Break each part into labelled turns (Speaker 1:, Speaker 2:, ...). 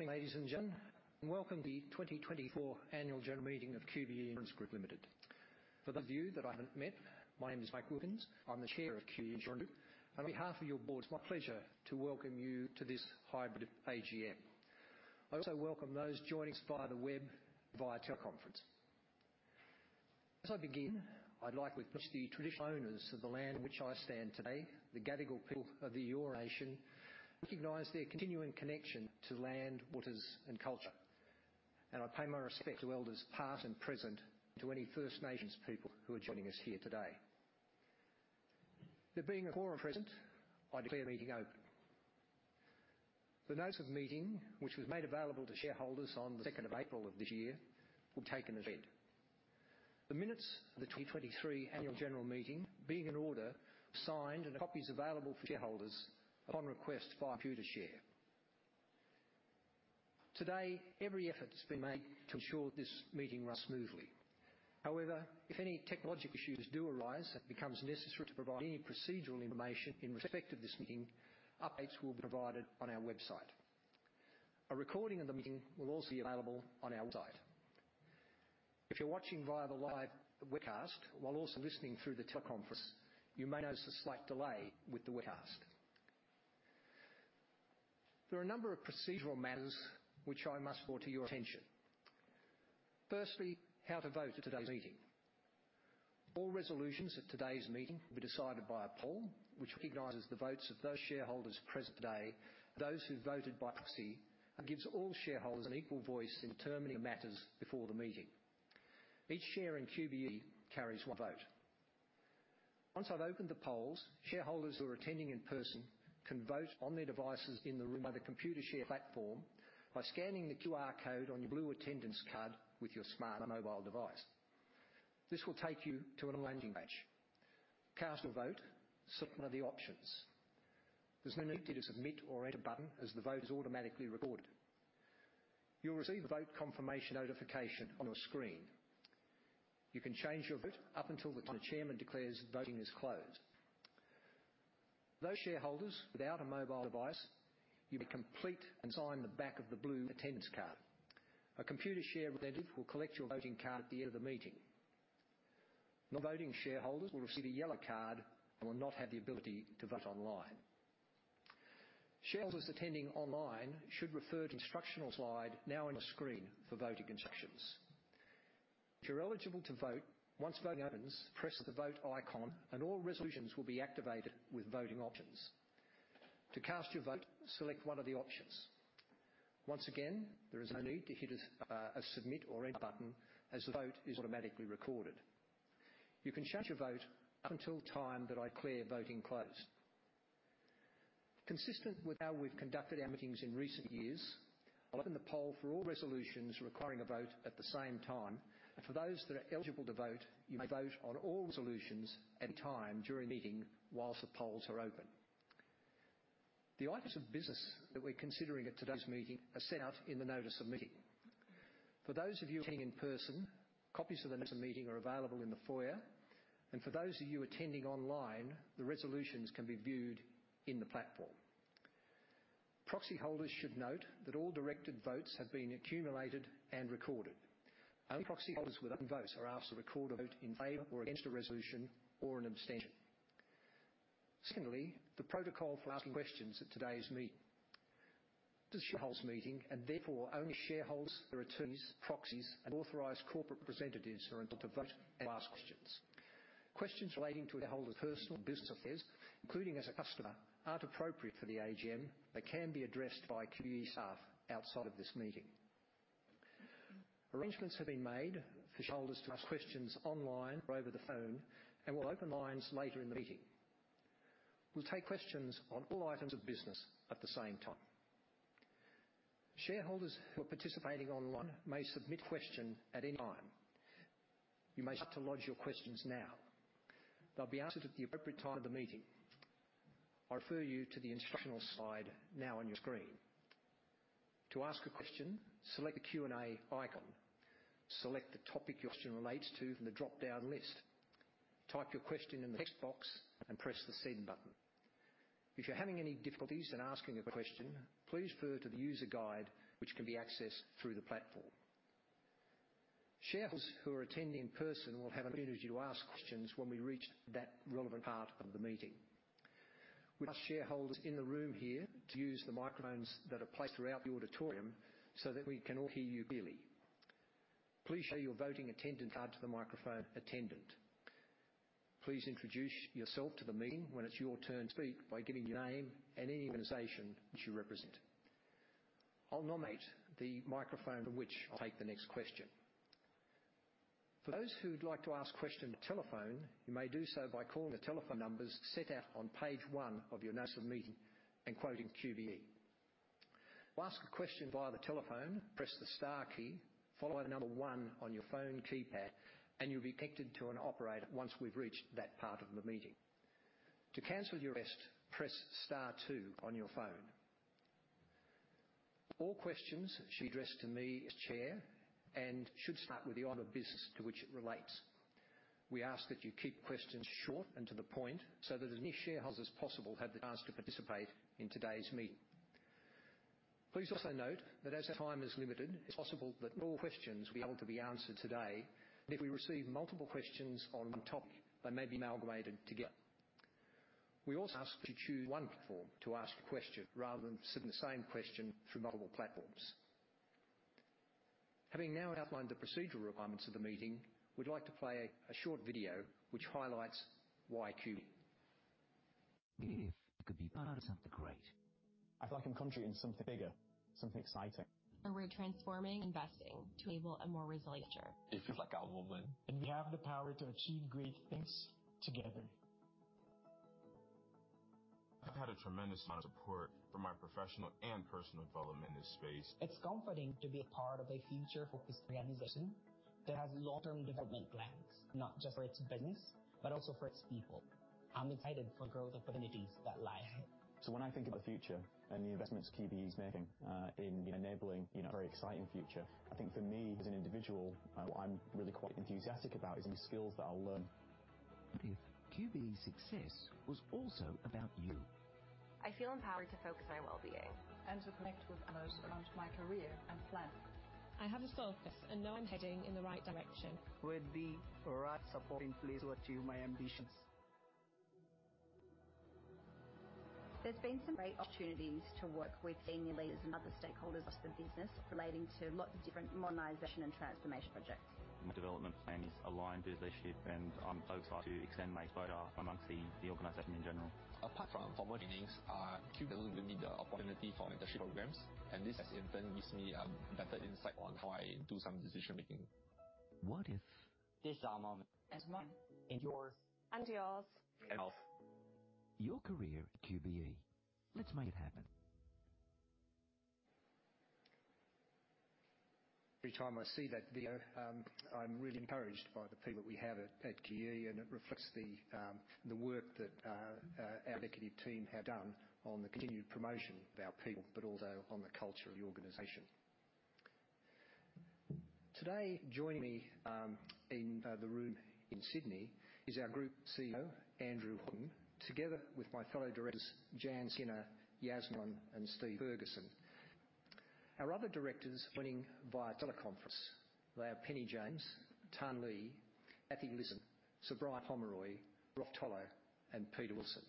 Speaker 1: Good morning, ladies and gentlemen, and welcome to the 2024 Annual General Meeting of QBE Insurance Group Limited. For those of you that I haven't met, my name is Mike Wilkins. I'm the chair of QBE Insurance Group, and on behalf of your board, it's my pleasure to welcome you to this hybrid AGM. I also welcome those joining us via the web and via teleconference. As I begin, I'd like to acknowledge the traditional owners of the land in which I stand today, the Gadigal people of the Eora Nation, and recognize their continuing connection to land, waters, and culture. I pay my respects to elders past and present and to any First Nations people who are joining us here today. There being a quorum present. I declare the meeting open. The notes of the meeting, which was made available to shareholders on the 2nd of April of this year, will be taken as read. The minutes of the 2023 Annual General Meeting being in order, signed, and copies available for shareholders upon request by Computershare. Today, every effort has been made to ensure this meeting runs smoothly. However, if any technological issues do arise and it becomes necessary to provide any procedural information in respect of this meeting, updates will be provided on our website. A recording of the meeting will also be available on our website. If you're watching via the live webcast while also listening through the teleconference, you may notice a slight delay with the webcast. There are a number of procedural matters which I must draw to your attention. Firstly, how to vote at today's meeting. All resolutions at today's meeting will be decided by a poll which recognizes the votes of those shareholders present today and those who voted by proxy and gives all shareholders an equal voice in determining the matters before the meeting. Each share in QBE carries one vote. Once I've opened the polls, shareholders who are attending in person can vote on their devices in the room via the Computershare platform by scanning the QR code on your blue attendance card with your smart mobile device. This will take you to an online Engage. Cast a vote, select one of the options. There's no need to hit a submit or enter button as the vote is automatically recorded. You'll receive a vote confirmation notification on your screen. You can change your vote up until the time the chairman declares voting is closed. Those shareholders without a mobile device, you may complete and sign the back of the blue attendance card. A Computershare representative will collect your voting card at the end of the meeting. Non-voting shareholders will receive a yellow card and will not have the ability to vote online. Shareholders attending online should refer to the instructional slide now on your screen for voting instructions. You're eligible to vote. Once voting opens, press the vote icon, and all resolutions will be activated with voting options. To cast your vote, select one of the options. Once again, there is no need to hit a submit or enter button as the vote is automatically recorded. You can change your vote up until the time that I declare voting closed. Consistent with how we've conducted our meetings in recent years, I'll open the poll for all resolutions requiring a vote at the same time. For those that are eligible to vote, you may vote on all resolutions at any time during the meeting while the polls are open. The items of business that we're considering at today's meeting are set out in the notice of meeting. For those of you attending in person, copies of the notice of meeting are available in the foyer. For those of you attending online, the resolutions can be viewed in the platform. Proxy holders should note that all directed votes have been accumulated and recorded. Only proxy holders with open votes are asked to record a vote in favor or against a resolution or an abstention. Secondly, the protocol for asking questions at today's meeting. This is a shareholders' meeting, and therefore only shareholders, their attorneys, proxies, and authorized corporate representatives are entitled to vote and ask questions. Questions relating to shareholders' personal and business affairs, including as a customer, aren't appropriate for the AGM, but can be addressed by QBE staff outside of this meeting. Arrangements have been made for shareholders to ask questions online or over the phone and will open lines later in the meeting. We'll take questions on all items of business at the same time. Shareholders who are participating online may submit a question at any time. You may start to lodge your questions now. They'll be answered at the appropriate time of the meeting. I refer you to the instructional slide now on your screen. To ask a question, select the Q&A icon. Select the topic your question relates to from the drop-down list. Type your question in the text box and press the send button. If you're having any difficulties in asking a question, please refer to the user guide, which can be accessed through the platform. Shareholders who are attending in person will have an opportunity to ask questions when we reach that relevant part of the meeting. We'll ask shareholders in the room here to use the microphones that are placed throughout the auditorium so that we can all hear you clearly. Please show your voting attendance card to the microphone attendant. Please introduce yourself to the meeting when it's your turn to speak by giving your name and any organization which you represent. I'll nominate the microphone from which I'll take the next question. For those who'd like to ask questions by telephone, you may do so by calling the telephone numbers set out on page one of your notice of meeting and quoting QBE. To ask a question via the telephone, press the star key, followed by the number one on your phone keypad, and you'll be connected to an operator once we've reached that part of the meeting. To cancel your request, press star two on your phone. All questions should be addressed to me as chair and should start with the item of business to which it relates. We ask that you keep questions short and to the point so that as many shareholders as possible have the chance to participate in today's meeting. Please also note that as time is limited, it's possible that not all questions will be able to be answered today, and if we receive multiple questions on one topic, they may be amalgamated together. We also ask that you choose one platform to ask a question rather than submitting the same question through multiple platforms. Having now outlined the procedural requirements of the meeting, we'd like to play a short video which highlights why QBE.
Speaker 2: If it could be part of something great. I feel like I'm contributing to something bigger, something exciting. We're transforming investing to enable a more resilient future. It feels like our moment. We have the power to achieve great things together. I've had a tremendous amount of support from my professional and personal development in this space. It's comforting to be a part of a future-focused organization that has long-term development plans, not just for its business but also for its people. I'm excited for the growth opportunities that lie ahead. When I think about the future and the investments QBE is making in enabling a very exciting future, I think for me as an individual, what I'm really quite enthusiastic about is the skills that I'll learn. If QBE's success was also about you. I feel empowered to focus on my well-being. To connect with others around my career and plans. I have a focus and know I'm heading in the right direction. With the right support in place to achieve my ambitions. There's been some great opportunities to work with senior leaders and other stakeholders across the business relating to lots of different modernization and transformation projects. My development plan is aligned with leadership, and I'm so excited to extend my vote among the organization in general. A platform for more meetings at QBE will give me the opportunity for mentorship programs, and this has in turn given me better insight on how I do some decision-making. What if. This is our moment. It's mine. And yours. And yours. Health. Your career at QBE. Let's make it happen.
Speaker 1: Every time I see that video, I'm really encouraged by the people that we have at QBE, and it reflects the work that our executive team have done on the continued promotion of our people but also on the culture of the organization. Today, joining me in the room in Sydney is our Group CEO, Andrew Horton, together with my fellow directors, Jann Skinner, Yasmin, and Steve Ferguson. Our other directors joining via teleconference, they are Penny James, Tan Le, Kathy Lisson, Sir Brian Pomeroy, Rolf Tolle, and Peter Wilson.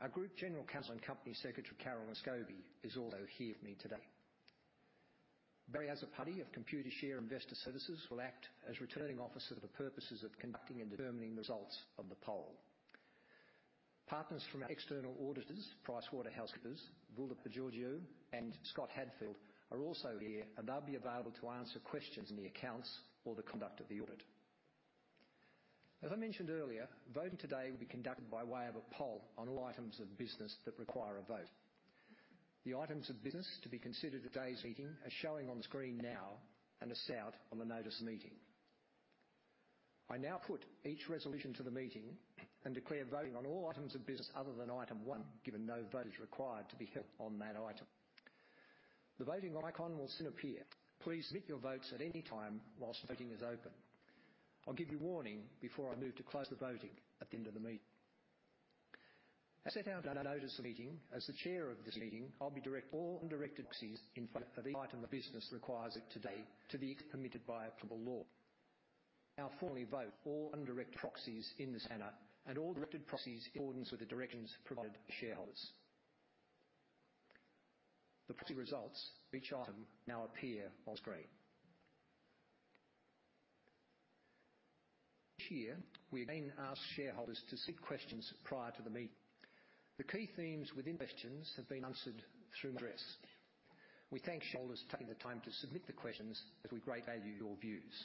Speaker 1: Our Group General Counsel and Company Secretary, Carolyn Scobie, is also here with me today. Barry Azzopardi of Computershare Investor Services will act as returning officer for the purposes of conducting and determining the results of the poll. Partners from our external auditors, PricewaterhouseCoopers, Voula Papageorgiou, and Scott Hadfield, are also here, and they'll be available to answer questions on the accounts or the conduct of the audit. As I mentioned earlier, voting today will be conducted by way of a poll on all items of business that require a vote. The items of business to be considered at today's meeting are showing on the screen now and are set out on the notice of meeting. I now put each resolution to the meeting and declare voting on all items of business other than item one, given no vote is required to be held on that item. The voting icon will soon appear. Please submit your votes at any time whilst voting is open. I'll give you a warning before I move to close the voting at the end of the meeting. As set out on our notice of meeting, as the Chair of this meeting, I'll be directing all undirected proxies in favor of each item of business that requires it today to the extent permitted by applicable law. I'll formally vote all undirected proxies in this matter and all directed proxies in accordance with the directions provided to shareholders. The proxy results for each item now appear on the screen. This year, we again ask shareholders to submit questions prior to the meeting. The key themes within the questions have been answered through my address. We thank shareholders for taking the time to submit the questions as we greatly value your views.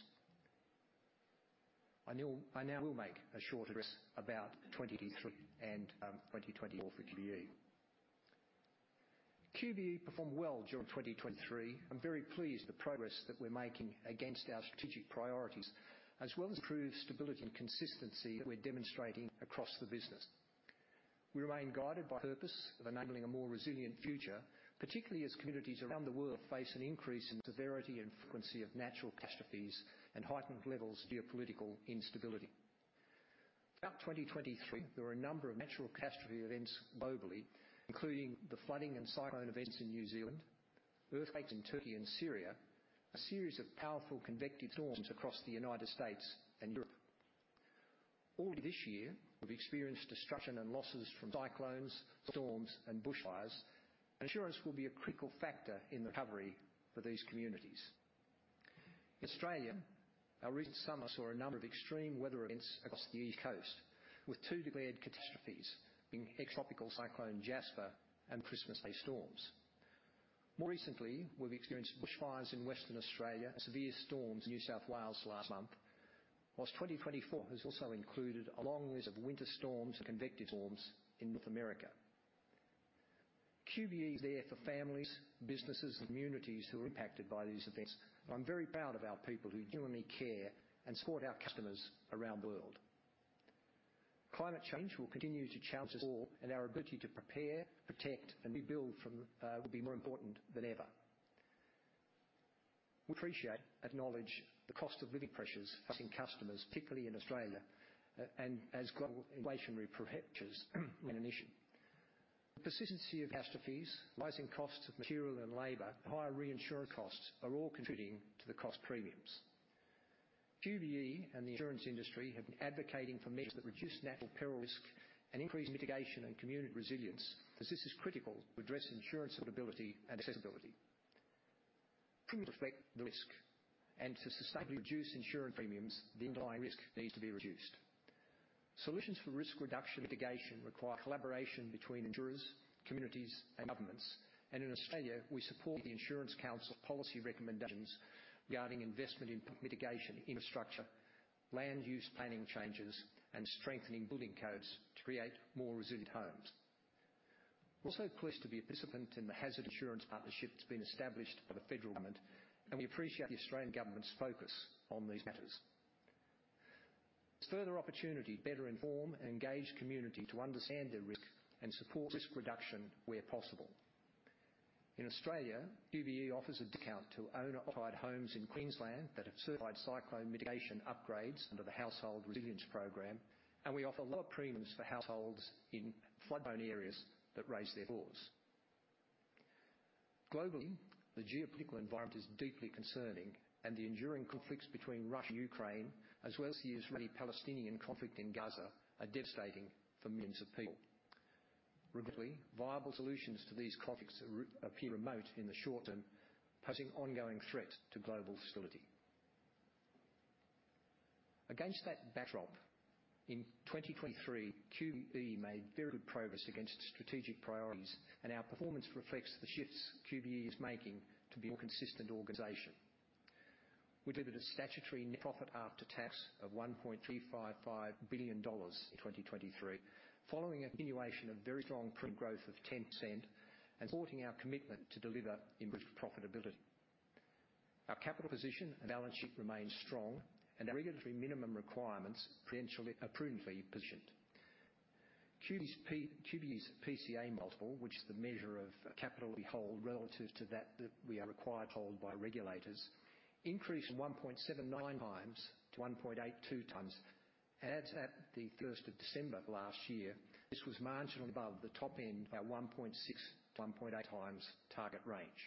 Speaker 1: I now will make a short address about 2023 and 2024 for QBE. QBE performed well during 2023. I'm very pleased with the progress that we're making against our strategic priorities as well as improved stability and consistency that we're demonstrating across the business. We remain guided by the purpose of enabling a more resilient future, particularly as communities around the world face an increase in the severity and frequency of natural catastrophes and heightened levels of geopolitical instability. Throughout 2023, there were a number of natural catastrophe events globally, including the flooding and cyclone events in New Zealand, earthquakes in Turkey and Syria, and a series of powerful convective storms across the United States and Europe. All this year, we've experienced destruction and losses from cyclones, storms, and bushfires, and insurance will be a critical factor in the recovery for these communities. In Australia, our recent summer saw a number of extreme weather events across the east coast, with two declared catastrophes being Ex-Tropical Cyclone Jasper and Christmas Day storms. More recently, we've experienced bushfires in Western Australia and severe storms in New South Wales last month, while 2024 has also included a long list of winter storms and convective storms in North America. QBE is there for families, businesses, and communities who are impacted by these events, and I'm very proud of our people who genuinely care and support our customers around the world. Climate change will continue to challenge us all, and our ability to prepare, protect, and rebuild will be more important than ever. We appreciate and acknowledge the cost of living pressures facing customers, particularly in Australia, and as global inflationary pressures are an issue. The persistency of catastrophes, rising costs of material and labor, and higher reinsurance costs are all contributing to the cost premiums. QBE and the insurance industry have been advocating for measures that reduce natural peril risk and increase mitigation and community resilience, as this is critical to address insurance affordability and accessibility. Premiums reflect the risk, and to sustainably reduce insurance premiums, the underlying risk needs to be reduced. Solutions for risk reduction and mitigation require collaboration between insurers, communities, and governments. And in Australia, we support the Insurance Council's policy recommendations regarding investment in mitigation, infrastructure, land use planning changes, and strengthening building codes to create more resilient homes. We're also pleased to be a participant in the Hazards Insurance Partnership that's been established by the federal government, and we appreciate the Australian government's focus on these matters. There's further opportunity to better inform and engage communities to understand their risk and support risk reduction where possible. In Australia, QBE offers a discount to owner-occupied homes in Queensland that have certified cyclone mitigation upgrades under the Household Resilience Program, and we offer lower premiums for households in flood-prone areas that raise their doors. Globally, the geopolitical environment is deeply concerning, and the enduring conflicts between Russia and Ukraine, as well as this year's Palestinian conflict in Gaza, are devastating for millions of people. Regrettably, viable solutions to these conflicts appear remote in the short term, posing ongoing threats to global stability. Against that backdrop, in 2023, QBE made very good progress against strategic priorities, and our performance reflects the shifts QBE is making to be a more consistent organization. We delivered a statutory net profit after tax of 1.355 billion dollars in 2023, following a continuation of very strong growth of 10% and supporting our commitment to deliver improved profitability. Our capital position and balance sheet remain strong, and our regulatory minimum requirements are prudently positioned. QBE's PCA multiple, which is the measure of capital we hold relative to that we are required to hold by regulators, increased from 1.79x to 1.82x, and as of the 1st of December last year, this was marginally above the top-end 1.6-1.8 times target range.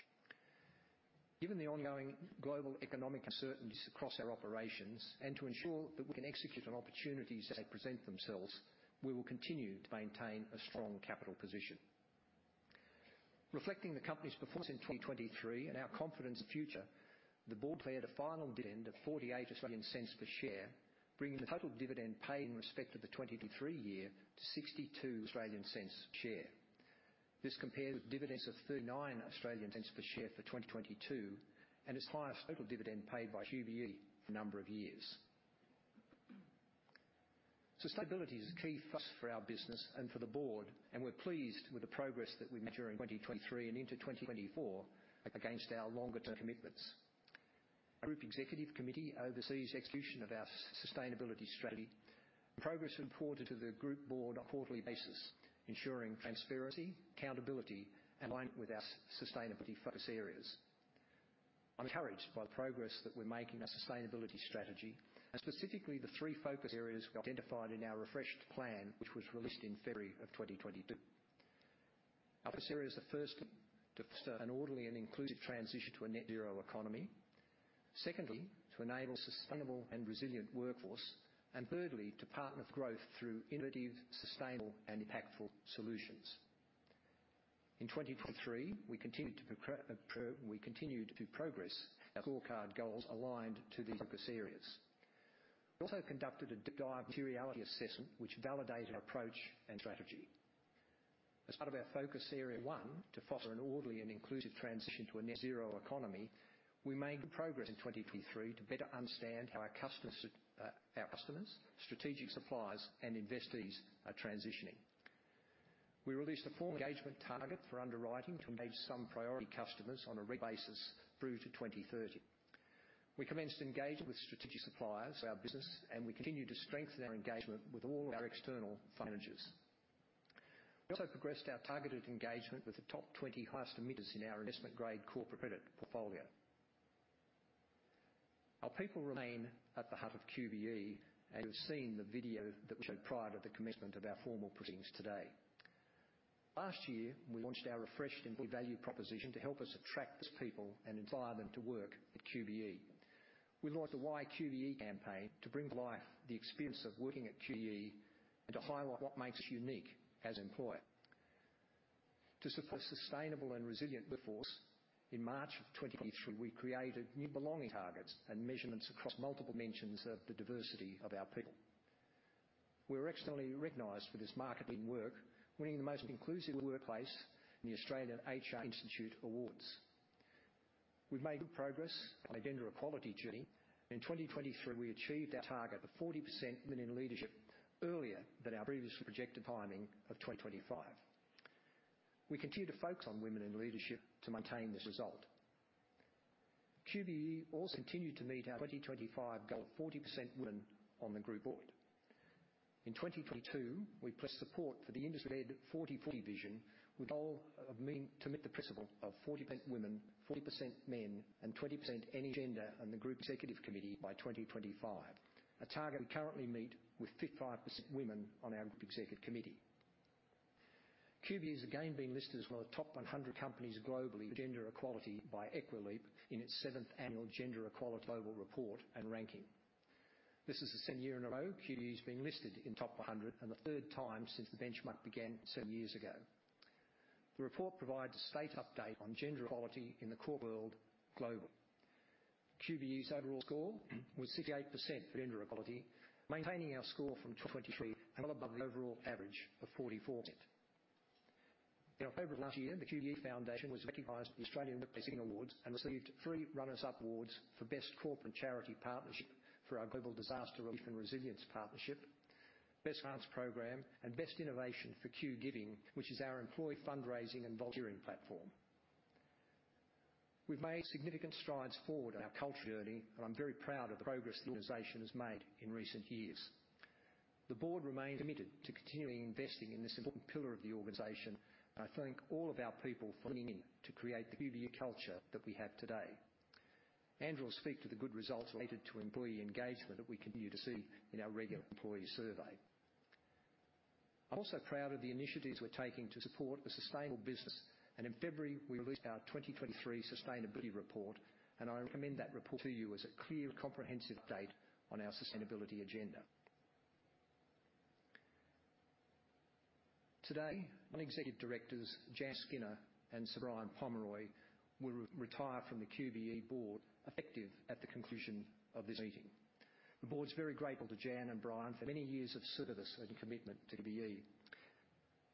Speaker 1: Given the ongoing global economic uncertainties across our operations and to ensure that we can execute on opportunities as they present themselves, we will continue to maintain a strong capital position. Reflecting the company's performance in 2023 and our confidence in the future, the board declared a final dividend of 0.48 per share, bringing the total dividend paid in respect of the 2023 year to 0.62 per share. This compares with dividends of 0.39 per share for 2022 and is the highest total dividend paid by QBE for a number of years. Sustainability is a key factor for our business and for the board, and we're pleased with the progress that we made during 2023 and into 2024 against our longer-term commitments. Our Group Executive Committee oversees the execution of our sustainability strategy, and progress is reported to the group board on a quarterly basis, ensuring transparency, accountability, and alignment with our sustainability focus areas. I'm encouraged by the progress that we're making in our sustainability strategy and specifically the three focus areas we identified in our refreshed plan, which was released in February of 2022. Our focus area is, firstly, to foster an orderly and inclusive transition to a net-zero economy. Secondly, to enable a sustainable and resilient workforce. And thirdly, to partner for growth through innovative, sustainable, and impactful solutions. In 2023, we continued to progress our scorecard goals aligned to these focus areas. We also conducted a deep-dive materiality assessment, which validated our approach and strategy. As part of our focus area one, to foster an orderly and inclusive transition to a net-zero economy, we made good progress in 2023 to better understand how our customers, strategic suppliers, and investees are transitioning. We released a formal engagement target for underwriting to engage some priority customers on a regular basis through to 2030. We commenced engagement with strategic suppliers of our business, and we continue to strengthen our engagement with all of our external fund managers. We also progressed our targeted engagement with the top 20 highest emitters in our investment-grade corporate credit portfolio. Our people remain at the heart of QBE, and you have seen the video that we showed prior to the commencement of our formal proceedings today. Last year, we launched our refreshed employee value proposition to help us attract these people and inspire them to work at QBE. We launched the Why QBE campaign to bring to life the experience of working at QBE and to highlight what makes us unique as employers. To support a sustainable and resilient workforce, in March of 2023, we created new belonging targets and measurements across multiple dimensions of the diversity of our people. We're externally recognized for this marketing work, winning the most inclusive workplace in the Australian HR Institute Awards. We've made good progress on the gender equality journey, and in 2023, we achieved our target of 40% women in leadership earlier than our previously projected timing of 2025. We continue to focus on women in leadership to maintain this result. QBE also continued to meet our 2025 goal of 40% women on the group board. In 2022, we pledged support for the industry-led 40:40 Vision with the goal of meeting to meet the principle of 40% women, 40% men, and 20% any gender on the group executive committee by 2025, a target we currently meet with 55% women on our group executive committee. QBE is again being listed as one of the top 100 companies globally for gender equality by Equileap in its seventh annual Gender Equality Global Report and ranking. This is the seventh year in a row QBE is being listed in the top 100 and the third time since the benchmark began seven years ago. The report provides a state update on gender equality in the corporate world globally. QBE's overall score was 68% for gender equality, maintaining our score from 2023 and well above the overall average of 44%. In October of last year, the QBE Foundation was recognized at the Australian Workplace Giving Awards and received three runner-up awards for Best Corporate Charity Partnership for our Global Disaster Relief and Resilience Partnership, Best Grants Programme, and Best Innovation for QGiving, which is our employee fundraising and volunteering platform. We've made significant strides forward on our culture journey, and I'm very proud of the progress the organization has made in recent years. The board remains committed to continuing investing in this important pillar of the organization, and I thank all of our people for leaning in to create the QBE culture that we have today. Andrew will speak to the good results related to employee engagement that we continue to see in our regular employee survey. I'm also proud of the initiatives we're taking to support a sustainable business, and in February, we released our 2023 Sustainability Report, and I recommend that report to you as a clear, comprehensive update on our sustainability agenda. Today, our executive directors, Jan Skinner and Brian Pomeroy, will retire from the QBE board, effective at the conclusion of this meeting. The board's very grateful to Jan and Brian for their many years of service and commitment to QBE.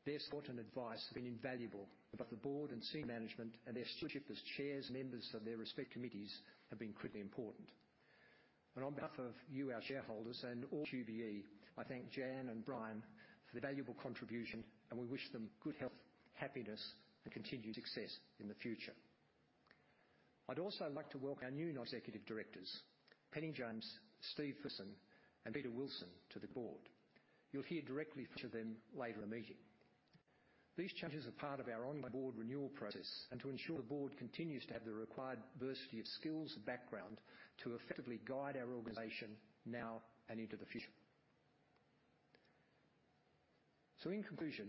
Speaker 1: Their support and advice have been invaluable, but the board and senior management and their stewardship as chairs and members of their respective committees have been critically important. On behalf of you, our shareholders, and all QBE, I thank Jan and Brian for their valuable contribution, and we wish them good health, happiness, and continued success in the future. I'd also like to welcome our new executive directors, Penny James, Steve Ferguson, and Peter Wilson, to the board. You'll hear directly from each of them later in the meeting. These changes are part of our ongoing board renewal process and to ensure the board continues to have the required diversity of skills and background to effectively guide our organization now and into the future. In conclusion,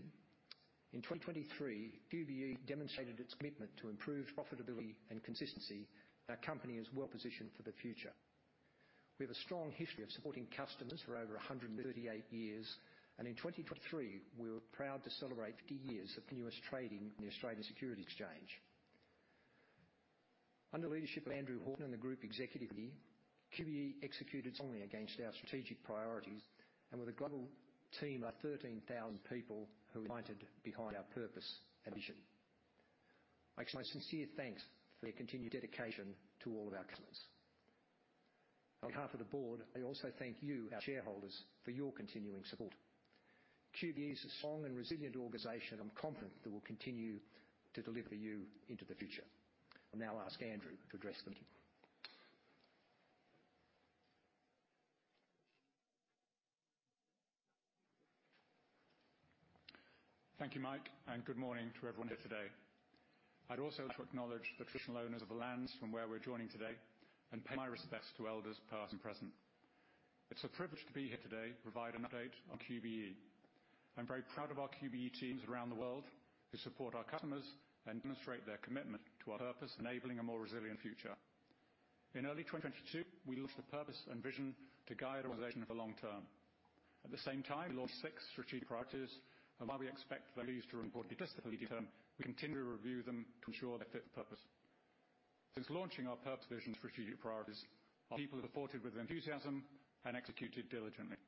Speaker 1: in 2023, QBE demonstrated its commitment to improved profitability and consistency, and our company is well positioned for the future. We have a strong history of supporting customers for over 138 years, and in 2023, we were proud to celebrate 50 years of continuous trading in the Australian Securities Exchange. Under the leadership of Andrew Horton and the group executive committee, QBE executed strongly against our strategic priorities, and with a global team of 13,000 people who united behind our purpose and vision, I express my sincere thanks for their continued dedication to all of our customers. On behalf of the board, I also thank you, our shareholders, for your continuing support. QBE is a strong and resilient organization, and I'm confident that we'll continue to deliver for you into the future. I'll now ask Andrew to address the meeting.
Speaker 3: Thank you, Mike, and good morning to everyone here today. I'd also like to acknowledge the traditional owners of the lands from where we're joining today and pay my respects to elders past and present. It's a privilege to be here today to provide an update on QBE. I'm very proud of our QBE teams around the world who support our customers and demonstrate their commitment to our purpose, enabling a more resilient future. In early 2022, we launched a purpose and vision to guide our organization for the long term. At the same time, we launched six strategic priorities, and while we expect those to remain disciplinary terms, we continue to review them to ensure they fit the purpose. Since launching our purpose, vision, and strategic priorities, our people have engaged with enthusiasm and executed diligently,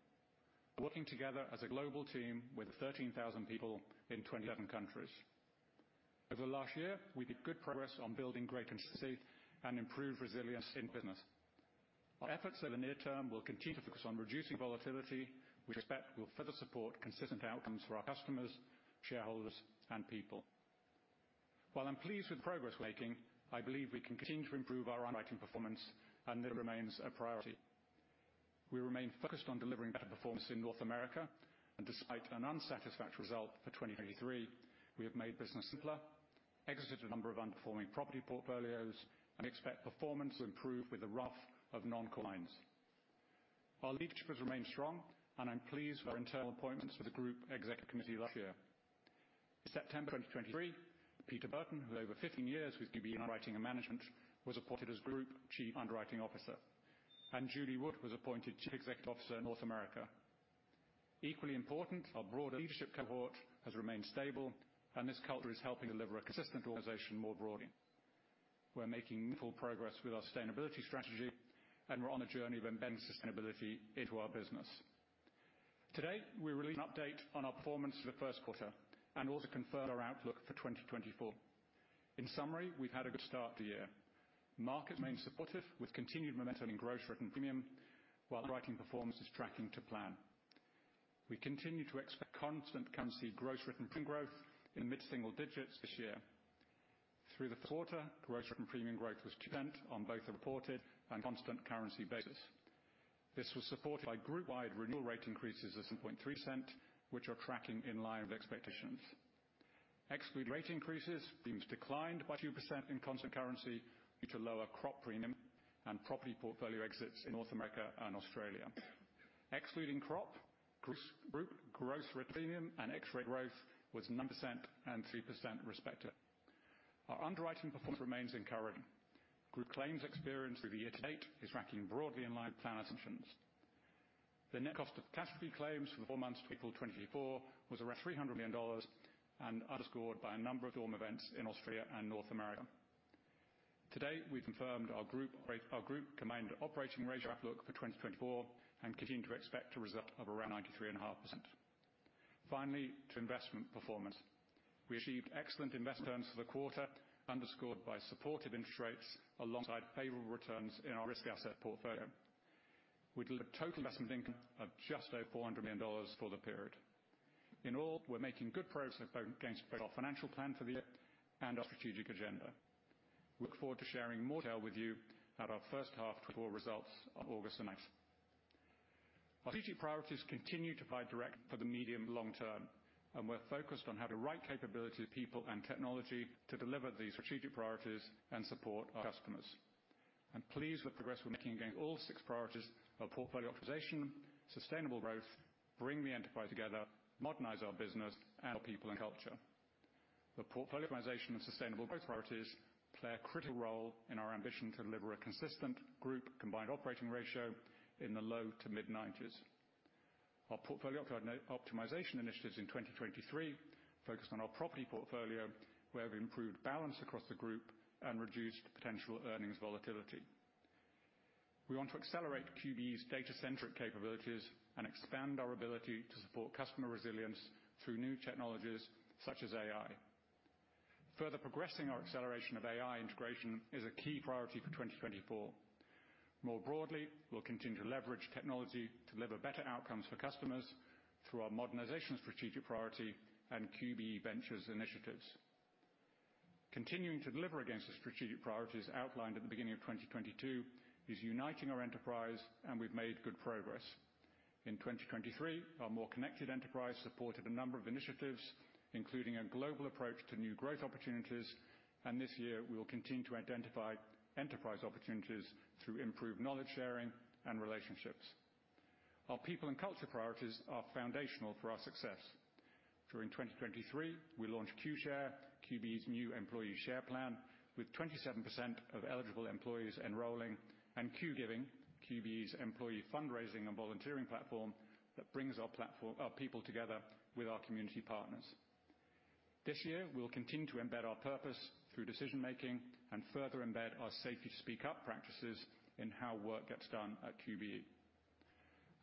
Speaker 3: working together as a global team with 13,000 people in 27 countries. Over the last year, we've made good progress on building great consistency and improved resilience in our business. Our efforts over the near term will continue to focus on reducing volatility, which we expect will further support consistent outcomes for our customers, shareholders, and people. While I'm pleased with the progress we're making, I believe we can continue to improve our underwriting performance, and this remains a priority. We remain focused on delivering better performance in North America, and despite an unsatisfactory result for 2023, we have made business simpler, exited a number of underperforming property portfolios, and we expect performance to improve with the run-off of non-core lines. Our leadership has remained strong, and I'm pleased with our internal appointments for the group executive committee last year. In September 2023, Peter Burton, who's over 15 years with QBE in underwriting and management, was appointed as Group Chief Underwriting Officer, and Julie Wood was appointed Chief Executive Officer, North America. Equally important, our broader leadership cohort has remained stable, and this culture is helping deliver a consistent organization more broadly. We're making meaningful progress with our sustainability strategy, and we're on a journey of embedding sustainability into our business. Today, we released an update on our performance for the first quarter and also confirmed our outlook for 2024. In summary, we've had a good start to the year. Market remains supportive with continued momentum in gross written premium, while underwriting performance is tracking to plan. We continue to expect constant currency gross written premium growth in the mid-single digits this year. Through the first quarter, gross written premium growth was 2% on both a reported and constant currency basis. This was supported by group-wide renewal rate increases of 7.3%, which are tracking in line with expectations. Ex-rate increases declined by 2% in constant currency due to lower crop premium and property portfolio exits in North America and Australia. Excluding crop, group gross written premium and ex-rate growth was 9% and 3% respectively. Our underwriting performance remains encouraging. Group claims experience through the year to date is tracking broadly in line with plan assumptions. The net cost of catastrophe claims for the four months to April 2024 was around AUD 300 million and underscored by a number of storm events in Austria and North America. Today, we've confirmed our group combined operating ratio outlook for 2024 and continue to expect a result of around 93.5%. Finally, to investment performance, we achieved excellent investment returns for the quarter, underscored by supportive interest rates alongside favorable returns in our risk asset portfolio. We delivered a total investment income of just over 400 million dollars for the period. In all, we're making good progress against both our financial plan for the year and our strategic agenda. We look forward to sharing more detail with you about our first half 2024 results on August 9th. Our strategic priorities continue to provide direction for the medium to long term, and we're focused on having the right capabilities, people, and technology to deliver these strategic priorities and support our customers. And pleased with the progress we're making against all six priorities of portfolio optimization, sustainable growth, bring the enterprise together, modernize our business, and our people and culture. The portfolio optimization and sustainable growth priorities play a critical role in our ambition to deliver a consistent group combined operating ratio in the low- to mid-90s. Our portfolio optimization initiatives in 2023 focused on our property portfolio, where we improved balance across the group and reduced potential earnings volatility. We want to accelerate QBE's data-centric capabilities and expand our ability to support customer resilience through new technologies such as AI. Further progressing our acceleration of AI integration is a key priority for 2024. More broadly, we'll continue to leverage technology to deliver better outcomes for customers through our modernization strategic priority and QBE Ventures initiatives. Continuing to deliver against the strategic priorities outlined at the beginning of 2022 is uniting our enterprise, and we've made good progress. In 2023, our more connected enterprise supported a number of initiatives, including a global approach to new growth opportunities, and this year, we will continue to identify enterprise opportunities through improved knowledge sharing and relationships. Our people and culture priorities are foundational for our success. During 2023, we launched QShare, QBE's new employee share plan with 27% of eligible employees enrolling, and QGiving, QBE's employee fundraising and volunteering platform that brings our people together with our community partners. This year, we'll continue to embed our purpose through decision-making and further embed our safety-to-speak-up practices in how work gets done at QBE.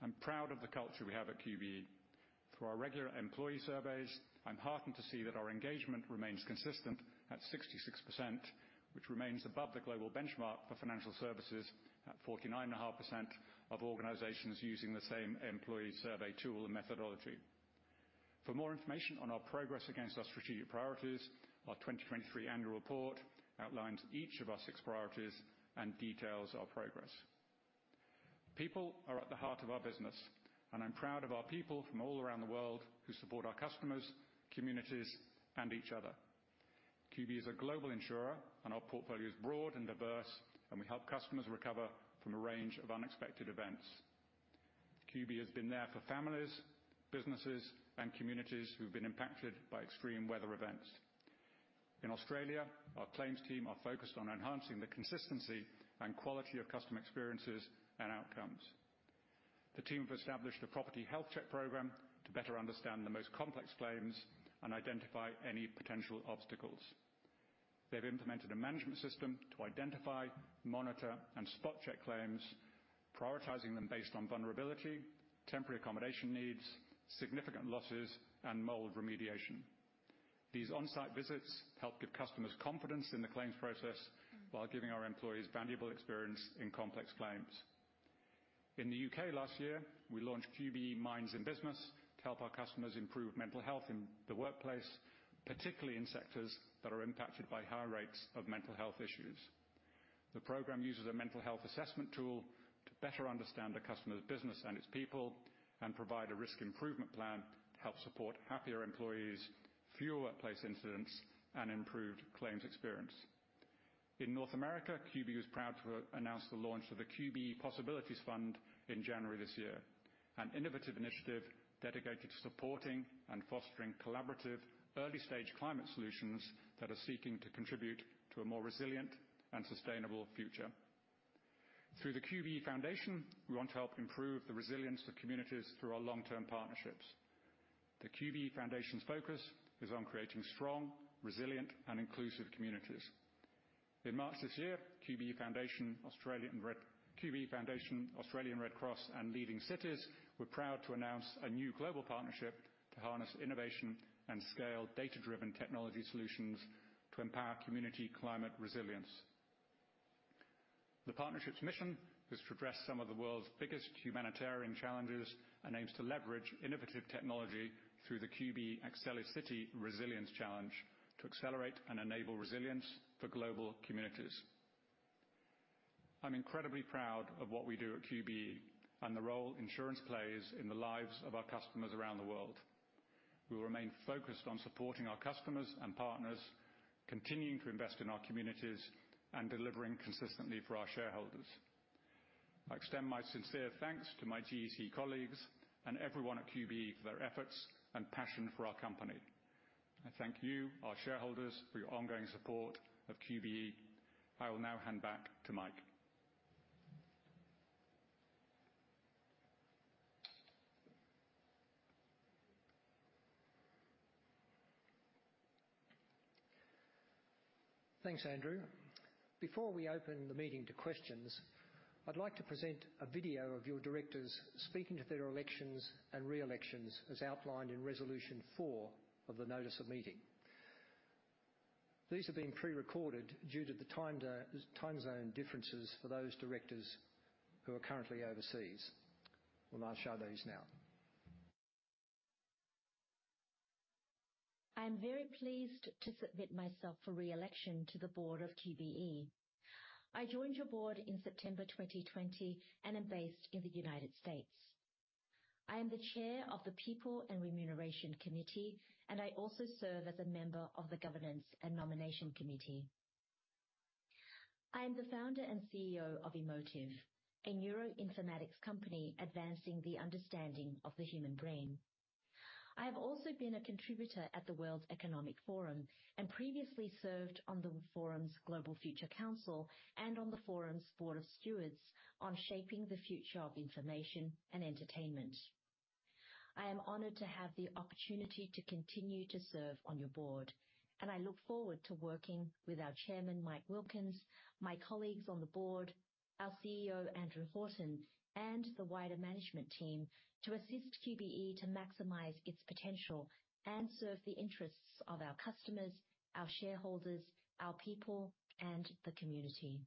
Speaker 3: I'm proud of the culture we have at QBE. Through our regular employee surveys, I'm heartened to see that our engagement remains consistent at 66%, which remains above the global benchmark for financial services at 49.5% of organizations using the same employee survey tool and methodology. For more information on our progress against our strategic priorities, our 2023 annual report outlines each of our six priorities and details our progress. People are at the heart of our business, and I'm proud of our people from all around the world who support our customers, communities, and each other. QBE is a global insurer, and our portfolio is broad and diverse, and we help customers recover from a range of unexpected events. QBE has been there for families, businesses, and communities who've been impacted by extreme weather events. In Australia, our claims team are focused on enhancing the consistency and quality of customer experiences and outcomes. The team have established a Property Health Check program to better understand the most complex claims and identify any potential obstacles. They've implemented a management system to identify, monitor, and spot-check claims, prioritizing them based on vulnerability, temporary accommodation needs, significant losses, and mold remediation. These on-site visits help give customers confidence in the claims process while giving our employees valuable experience in complex claims. In the UK last year, we launched QBE Minds in Business to help our customers improve mental health in the workplace, particularly in sectors that are impacted by higher rates of mental health issues. The program uses a mental health assessment tool to better understand a customer's business and its people and provide a risk improvement plan to help support happier employees, fewer workplace incidents, and improved claims experience. In North America, QBE is proud to announce the launch of the QBE Possibilities Fund in January this year, an innovative initiative dedicated to supporting and fostering collaborative early-stage climate solutions that are seeking to contribute to a more resilient and sustainable future. Through the QBE Foundation, we want to help improve the resilience of communities through our long-term partnerships. The QBE Foundation's focus is on creating strong, resilient, and inclusive communities. In March this year, QBE Foundation, Australian Red Cross, and Leading Cities were proud to announce a new global partnership to harness innovation and scale data-driven technology solutions to empower community climate resilience. The partnership's mission is to address some of the world's biggest humanitarian challenges and aims to leverage innovative technology through the QBE AcceliCITY Resilience Challenge to accelerate and enable resilience for global communities. I'm incredibly proud of what we do at QBE and the role insurance plays in the lives of our customers around the world. We will remain focused on supporting our customers and partners, continuing to invest in our communities, and delivering consistently for our shareholders. I extend my sincere thanks to my GEC colleagues and everyone at QBE for their efforts and passion for our company. I thank you, our shareholders, for your ongoing support of QBE. I will now hand back to Mike.
Speaker 1: Thanks, Andrew. Before we open the meeting to questions, I'd like to present a video of your directors speaking to their elections and re-elections as outlined in Resolution 4 of the notice of meeting. These have been prerecorded due to the time zone differences for those directors who are currently overseas. We'll now show those now.
Speaker 4: I'm very pleased to submit myself for re-election to the board of QBE. I joined your board in September 2020 and am based in the United States. I am the chair of the People and Remuneration Committee, and I also serve as a member of the Governance and Nomination Committee. I am the founder and CEO of EMOTIV, a neuroinformatics company advancing the understanding of the human brain. I have also been a contributor at the World Economic Forum and previously served on the forum's Global Future Council and on the forum's Board of Stewards on shaping the future of information and entertainment. I am honored to have the opportunity to continue to serve on your board, and I look forward to working with our Chairman, Mike Wilkins, my colleagues on the board, our CEO, Andrew Horton, and the wider management team to assist QBE to maximize its potential and serve the interests of our customers, our shareholders, our people, and the community.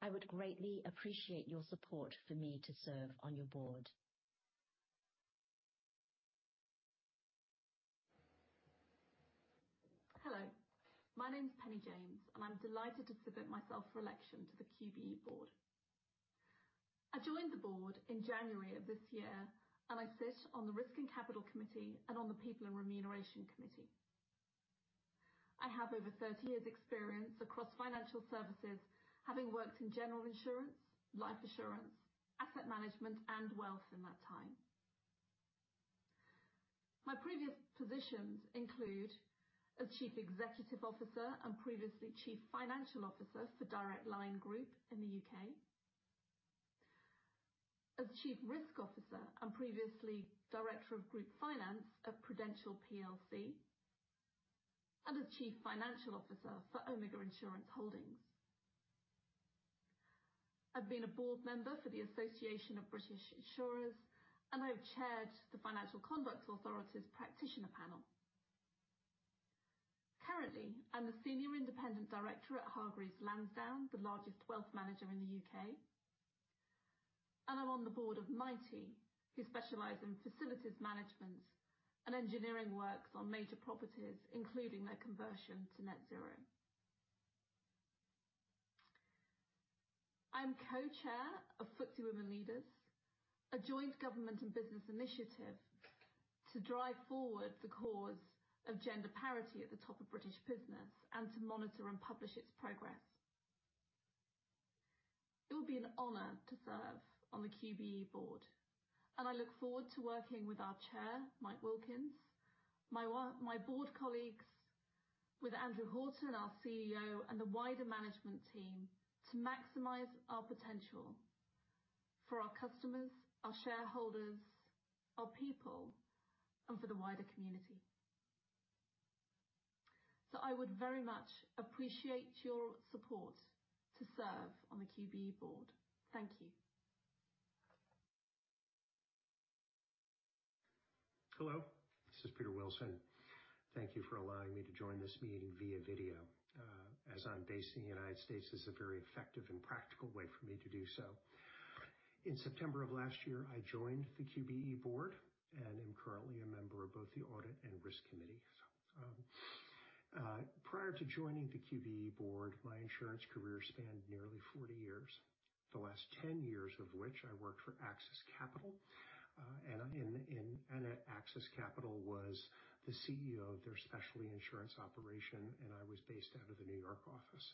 Speaker 4: I would greatly appreciate your support for me to serve on your board.
Speaker 5: Hello. My name's Penny James, and I'm delighted to submit myself for election to the QBE board. I joined the board in January of this year, and I sit on the Risk and Capital Committee and on the People and Remuneration Committee. I have over 30 years' experience across financial services, having worked in general insurance, life insurance, asset management, and wealth in that time. My previous positions include as Chief Executive Officer and previously Chief Financial Officer for Direct Line Group in the UK, as Chief Risk Officer and previously Director of Group Finance at Prudential plc, and as Chief Financial Officer for Omega Insurance Holdings. I've been a board member for the Association of British Insurers, and I've chaired the Financial Conduct Authority's Practitioner Panel. Currently, I'm the Senior Independent Director at Hargreaves Lansdown, the largest wealth manager in the UK, and I'm on the board of Mitie, who specialize in facilities management and engineering works on major properties, including their conversion to net zero. I'm co-chair of FTSE Women Leaders, a joint government and business initiative to drive forward the cause of gender parity at the top of British business and to monitor and publish its progress. It will be an honor to serve on the QBE board, and I look forward to working with our chair, Mike Wilkins, my board colleagues with Andrew Horton, our CEO, and the wider management team to maximize our potential for our customers, our shareholders, our people, and for the wider community. So I would very much appreciate your support to serve on the QBE board. Thank you.
Speaker 6: Hello. This is Peter Wilson. Thank you for allowing me to join this meeting via video, as I'm based in the United States. It's a very effective and practical way for me to do so. In September of last year, I joined the QBE board and am currently a member of both the Audit and Risk Committee. Prior to joining the QBE board, my insurance career spanned nearly 40 years, the last 10 years of which I worked for Axis Capital. At Axis Capital, I was the CEO of their specialty insurance operation, and I was based out of the New York office.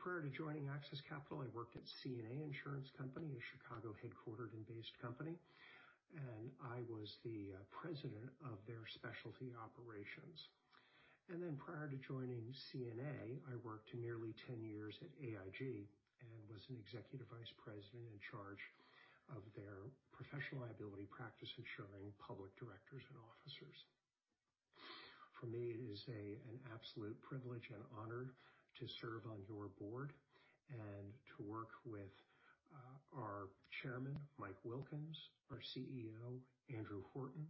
Speaker 6: Prior to joining Axis Capital, I worked at CNA Insurance Company, a Chicago-headquartered and based company, and I was the president of their specialty operations. Then prior to joining CNA, I worked nearly 10 years at AIG and was an executive vice president in charge of their professional liability practice insuring public directors and officers. For me, it is an absolute privilege and honor to serve on your board and to work with our chairman, Mike Wilkins, our CEO, Andrew Horton,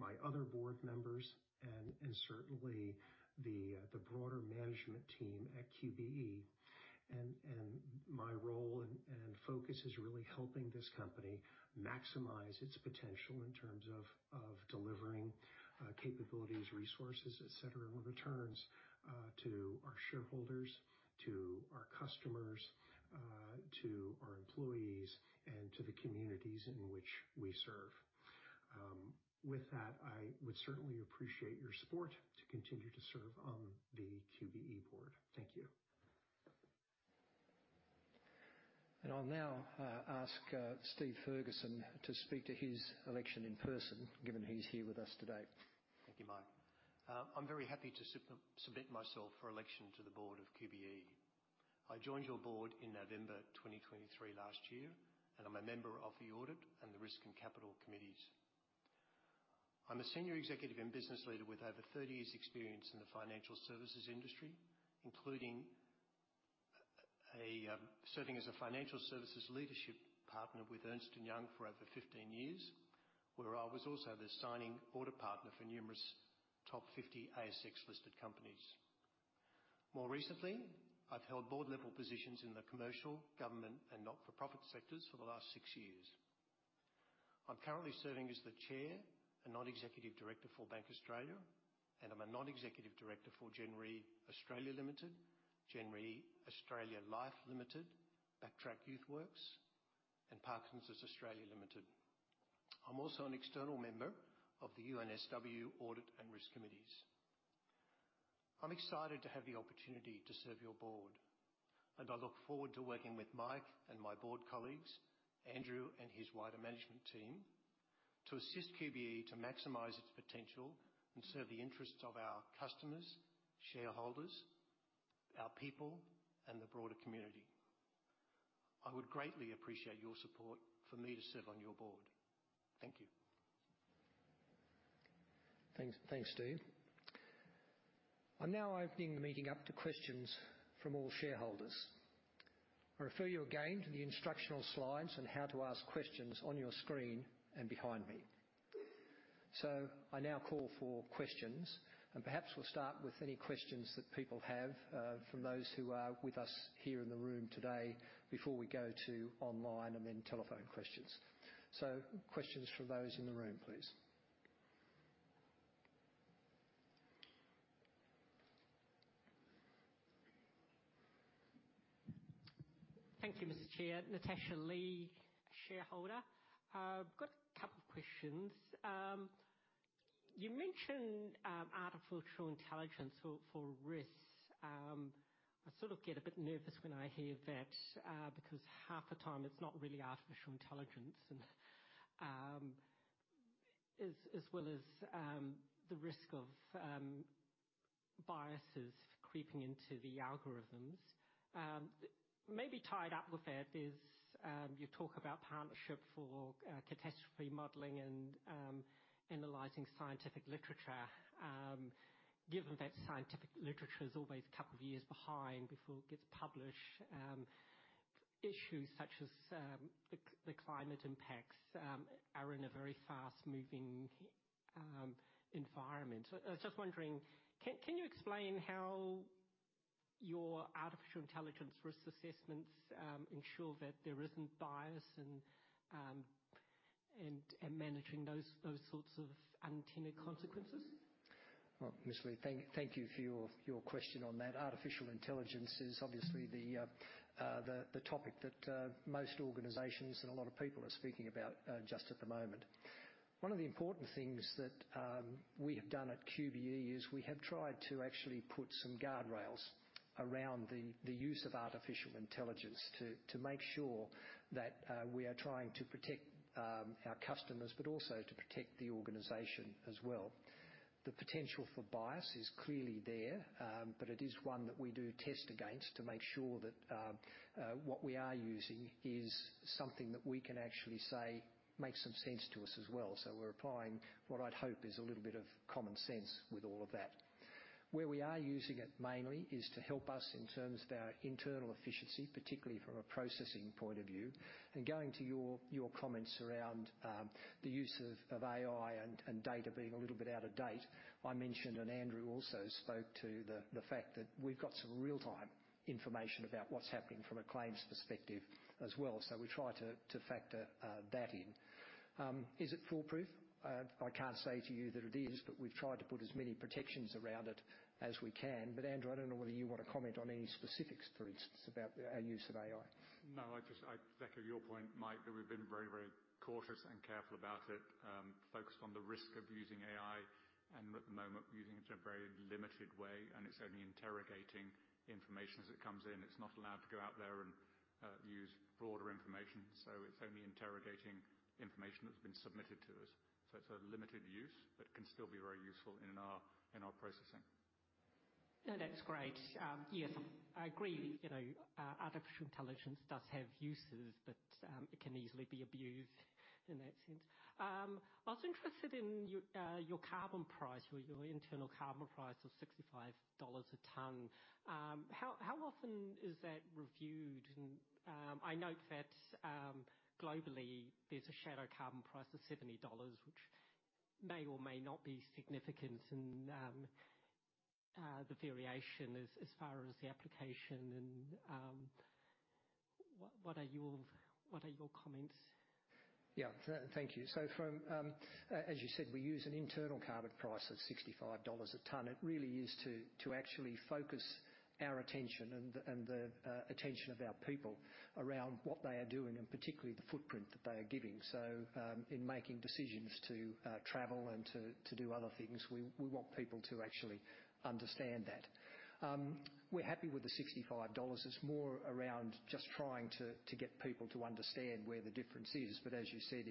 Speaker 6: my other board members, and certainly the broader management team at QBE. My role and focus is really helping this company maximize its potential in terms of delivering capabilities, resources, etc., and returns to our shareholders, to our customers, to our employees, and to the communities in which we serve. With that, I would certainly appreciate your support to continue to serve on the QBE board. Thank you.
Speaker 1: I'll now ask Steve Ferguson to speak to his election in person, given he's here with us today.
Speaker 7: Thank you, Mike. I'm very happy to submit myself for election to the board of QBE. I joined your board in November 2023 last year, and I'm a member of the Audit and the Risk and Capital Committees. I'm a senior executive and business leader with over 30 years' experience in the financial services industry, serving as a financial services leadership partner with Ernst & Young for over 15 years, where I was also the signing audit partner for numerous top 50 ASX-listed companies. More recently, I've held board-level positions in the commercial, government, and not-for-profit sectors for the last six years. I'm currently serving as the chair and non-executive director for Bank Australia, and I'm a non-executive director for Genworth Australia Limited, Genworth Australia Life Limited, BackTrack Youth Works, and Parkinson's Australia Limited. I'm also an external member of the UNSW Audit and Risk Committees. I'm excited to have the opportunity to serve your board, and I look forward to working with Mike and my board colleagues, Andrew, and his wider management team to assist QBE to maximize its potential and serve the interests of our customers, shareholders, our people, and the broader community. I would greatly appreciate your support for me to serve on your board. Thank you.
Speaker 1: Thanks, Steve. I'm now opening the meeting up to questions from all shareholders. I refer you again to the instructional slides and how to ask questions on your screen and behind me. So I now call for questions, and perhaps we'll start with any questions that people have from those who are with us here in the room today before we go to online and then telephone questions. So questions from those in the room, please.
Speaker 8: Thank you, Mr. Chair. Natasha Lee, shareholder. I've got a couple of questions. You mentioned artificial intelligence for risk. I sort of get a bit nervous when I hear that because half the time, it's not really artificial intelligence, as well as the risk of biases creeping into the algorithms. Maybe tied up with that, you talk about partnership for catastrophe modelling and analysing scientific literature. Given that scientific literature is always a couple of years behind before it gets published, issues such as the climate impacts are in a very fast-moving environment. I was just wondering, can you explain how your artificial intelligence risk assessments ensure that there isn't bias in managing those sorts of unintended consequences?
Speaker 1: Well, Ms. Lee, thank you for your question on that. Artificial intelligence is obviously the topic that most organizations and a lot of people are speaking about just at the moment. One of the important things that we have done at QBE is we have tried to actually put some guardrails around the use of artificial intelligence to make sure that we are trying to protect our customers, but also to protect the organization as well. The potential for bias is clearly there, but it is one that we do test against to make sure that what we are using is something that we can actually say makes some sense to us as well. So we're applying what I'd hope is a little bit of common sense with all of that. Where we are using it mainly is to help us in terms of our internal efficiency, particularly from a processing point of view. Going to your comments around the use of AI and data being a little bit out of date, I mentioned and Andrew also spoke to the fact that we've got some real-time information about what's happening from a claims perspective as well. We try to factor that in. Is it foolproof? I can't say to you that it is, but we've tried to put as many protections around it as we can. Andrew, I don't know whether you want to comment on any specifics, for instance, about our use of AI.
Speaker 3: No, I'd echo your point, Mike, that we've been very, very cautious and careful about it, focused on the risk of using AI. And at the moment, we're using it in a very limited way, and it's only interrogating information as it comes in. It's not allowed to go out there and use broader information. So it's only interrogating information that's been submitted to us. So it's a limited use, but it can still be very useful in our processing.
Speaker 8: No, that's great. Yes, I agree. Artificial intelligence does have uses, but it can easily be abused in that sense. I was interested in your carbon price, your internal carbon price of 65 dollars a ton. How often is that reviewed? And I note that globally, there's a shadow carbon price of 70 dollars, which may or may not be significant in the variation as far as the application. And what are your comments?
Speaker 1: Yeah, thank you. So as you said, we use an internal carbon price of 65 dollars a ton. It really is to actually focus our attention and the attention of our people around what they are doing and particularly the footprint that they are giving. So in making decisions to travel and to do other things, we want people to actually understand that. We're happy with the 65 dollars. It's more around just trying to get people to understand where the difference is. But as you said,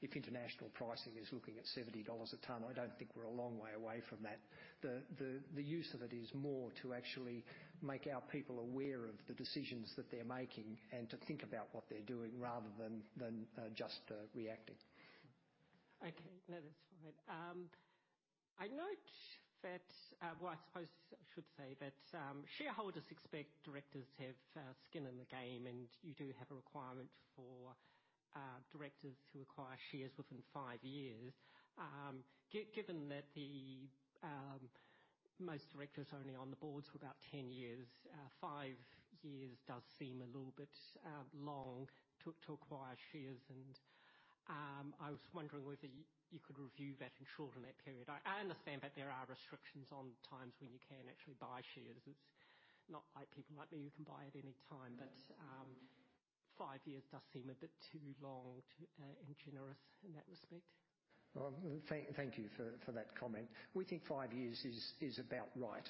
Speaker 1: if international pricing is looking at 70 dollars a ton, I don't think we're a long way away from that. The use of it is more to actually make our people aware of the decisions that they're making and to think about what they're doing rather than just reacting.
Speaker 8: Okay. No, that's fine. I note that well, I suppose I should say that shareholders expect directors to have skin in the game, and you do have a requirement for directors to acquire shares within five years. Given that the most directors only on the boards for about 10 years, five years does seem a little bit long to acquire shares. And I was wondering whether you could review that and shorten that period. I understand that there are restrictions on times when you can actually buy shares. It's not like people like me who can buy at any time, but 5 years does seem a bit too long and generous in that respect.
Speaker 1: Well, thank you for that comment. We think five years is about right.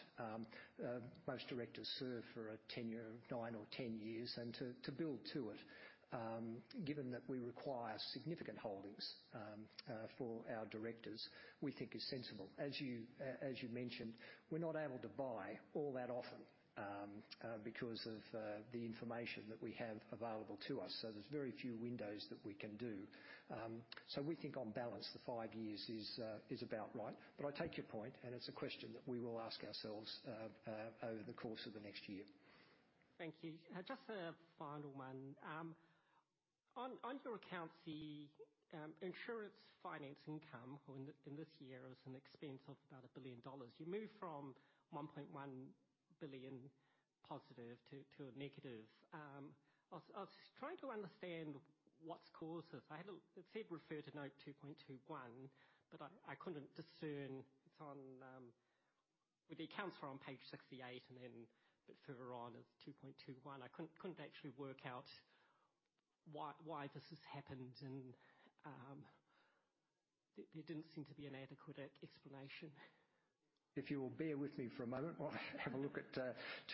Speaker 1: Most directors serve for a tenure of nine or 10 years, and to build to it, given that we require significant holdings for our directors, we think is sensible. As you mentioned, we're not able to buy all that often because of the information that we have available to us. So there's very few windows that we can do. So we think, on balance, the five years is about right. But I take your point, and it's a question that we will ask ourselves over the course of the next year.
Speaker 9: Thank you. Just a final one. On your accounts, the insurance finance income in this year is an expense of about 1 billion dollars. You move from 1.1 billion positive to a negative. I was trying to understand what's caused this. It said refer to note 2.21, but I couldn't discern. The accounts are on page 68, and then a bit further on is 2.21. I couldn't actually work out why this has happened, and there didn't seem to be an adequate explanation.
Speaker 1: If you will bear with me for a moment, I'll have a look at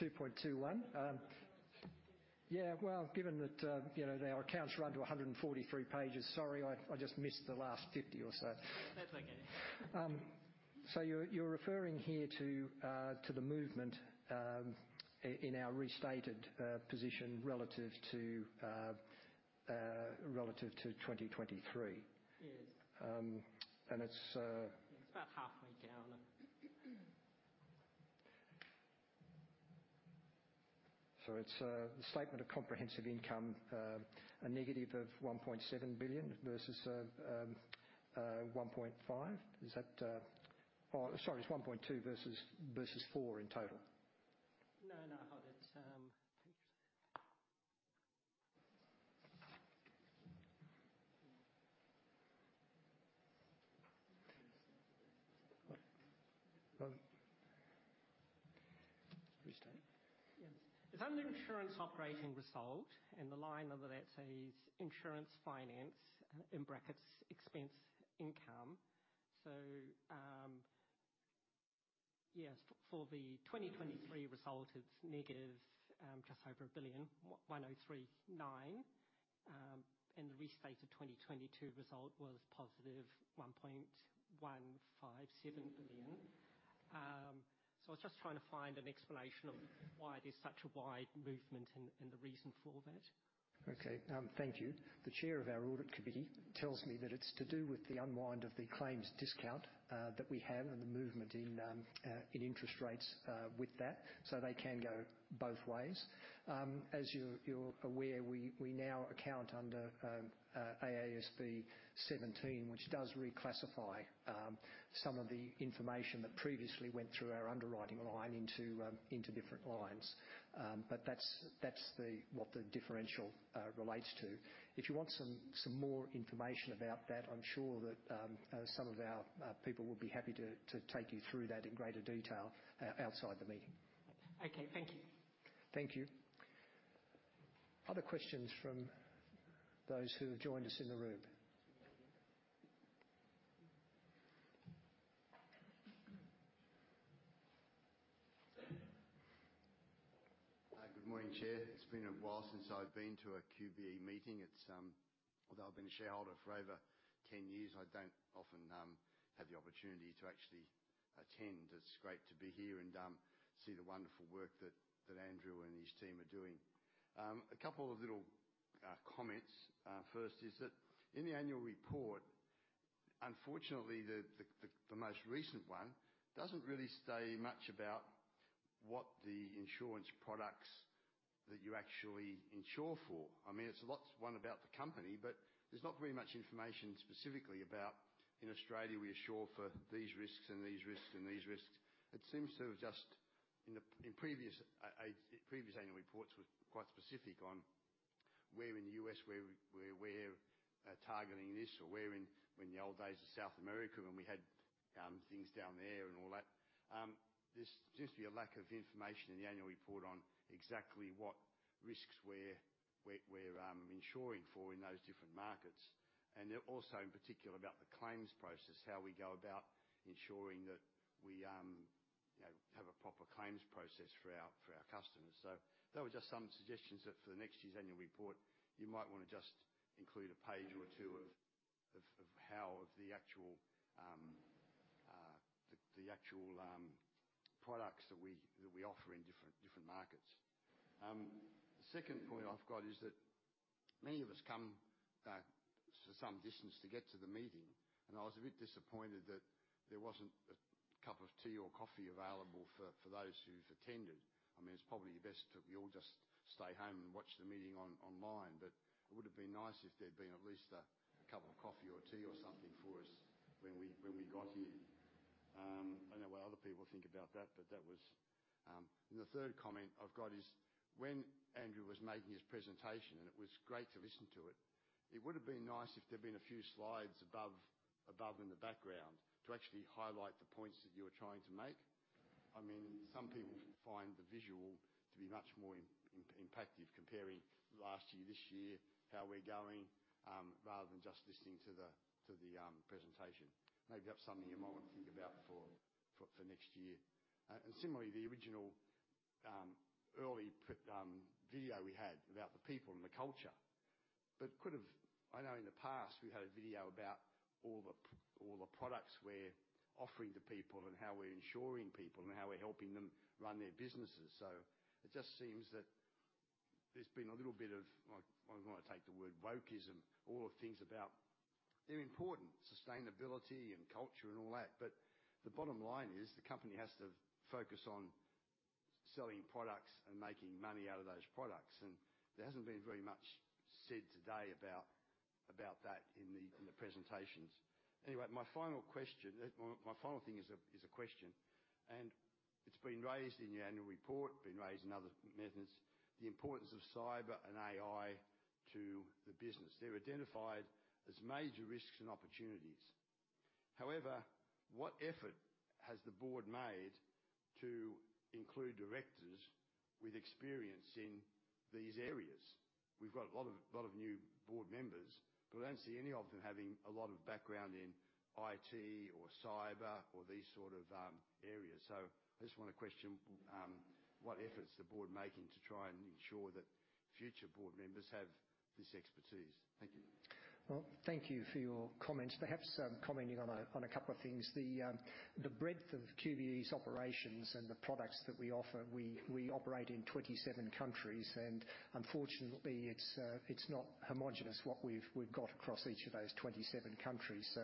Speaker 1: 2.21. Yeah, well, given that our accounts run to 143 pages, sorry, I just missed the last 50 or so.
Speaker 8: That's okay.
Speaker 1: So you're referring here to the movement in our restated position relative to 2023?
Speaker 8: Yes.
Speaker 1: And it's.
Speaker 8: It's about halfway down.
Speaker 1: It's the statement of comprehensive income, a negative of 1.7 billion versus 1.5. Is that oh, sorry, it's 1.2 versus 4 in total.
Speaker 8: No, no, hold it.
Speaker 1: Restate.
Speaker 8: Yes. It's under insurance operating result, and the line under that says insurance finance, in brackets, expense income. So yes, for the 2023 result, it's negative AUD 1.039 billion. And the restated 2022 result was positive 1.157 billion. So I was just trying to find an explanation of why there's such a wide movement and the reason for that.
Speaker 1: Okay. Thank you. The chair of our audit committee tells me that it's to do with the unwind of the claims discount that we have and the movement in interest rates with that, so they can go both ways. As you're aware, we now account under AASB 17, which does reclassify some of the information that previously went through our underwriting line into different lines. But that's what the differential relates to. If you want some more information about that, I'm sure that some of our people will be happy to take you through that in greater detail outside the meeting.
Speaker 8: Okay. Thank you.
Speaker 1: Thank you. Other questions from those who have joined us in the room?
Speaker 8: Good morning, Chair. It's been a while since I've been to a QBE meeting. Although I've been a shareholder for over 10 years, I don't often have the opportunity to actually attend. It's great to be here and see the wonderful work that Andrew and his team are doing. A couple of little comments. First is that in the annual report, unfortunately, the most recent one doesn't really say much about what the insurance products that you actually insure for. I mean, it's a lot about the company, but there's not very much information specifically about, "In Australia, we insure for these risks and these risks and these risks." It seems to have just in previous annual reports, it was quite specific on, "Where in the US were we targeting this?" or, "Where in the old days of South America when we had things down there and all that?" There seems to be a lack of information in the annual report on exactly what risks we're insuring for in those different markets. And also, in particular, about the claims process, how we go about ensuring that we have a proper claims process for our customers. So those are just some suggestions that for the next year's annual report, you might want to just include a page or two of the actual products that we offer in different markets. The second point I've got is that many of us come for some distance to get to the meeting, and I was a bit disappointed that there wasn't a cup of tea or coffee available for those who've attended. I mean, it's probably best that we all just stay home and watch the meeting online, but it would have been nice if there'd been at least a cup of coffee or tea or something for us when we got here. I don't know what other people think about that, but that was, and the third comment I've got is when Andrew was making his presentation, and it was great to listen to it; it would have been nice if there'd been a few slides above in the background to actually highlight the points that you were trying to make. I mean, some people find the visual to be much more impactful comparing last year, this year, how we're going, rather than just listening to the presentation. Maybe that's something you might want to think about for next year. And similarly, the original early video we had about the people and the culture, but could have. I know in the past, we've had a video about all the products we're offering to people and how we're insuring people and how we're helping them run their businesses. So it just seems that there's been a little bit of. I don't want to take the word wokeism. All the things about they're important, sustainability and culture and all that, but the bottom line is the company has to focus on selling products and making money out of those products. And there hasn't been very much said today about that in the presentations. Anyway, my final question, my final thing, is a question, and it's been raised in your annual report, been raised in other methods: the importance of cyber and AI to the business. They're identified as major risks and opportunities. However, what effort has the board made to include directors with experience in these areas? We've got a lot of new board members, but I don't see any of them having a lot of background in IT or cyber or these sort of areas. So I just want to question what effort's the board making to try and ensure that future board members have this expertise? Thank you.
Speaker 1: Well, thank you for your comments, perhaps commenting on a couple of things. The breadth of QBE's operations and the products that we offer, we operate in 27 countries, and unfortunately, it's not homogeneous what we've got across each of those 27 countries. So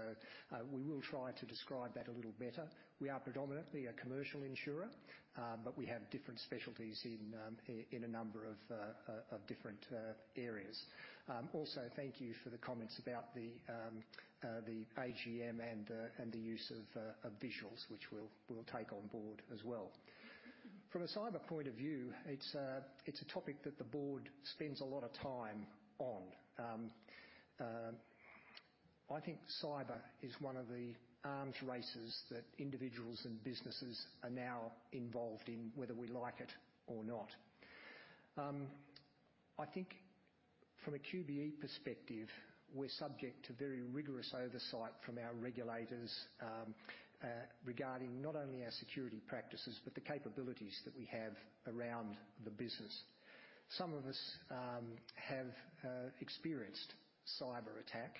Speaker 1: we will try to describe that a little better. We are predominantly a commercial insurer, but we have different specialties in a number of different areas. Also, thank you for the comments about the AGM and the use of visuals, which we'll take on board as well. From a cyber point of view, it's a topic that the board spends a lot of time on. I think cyber is one of the arms races that individuals and businesses are now involved in, whether we like it or not. I think from a QBE perspective, we're subject to very rigorous oversight from our regulators regarding not only our security practices but the capabilities that we have around the business. Some of us have experienced cyber attack,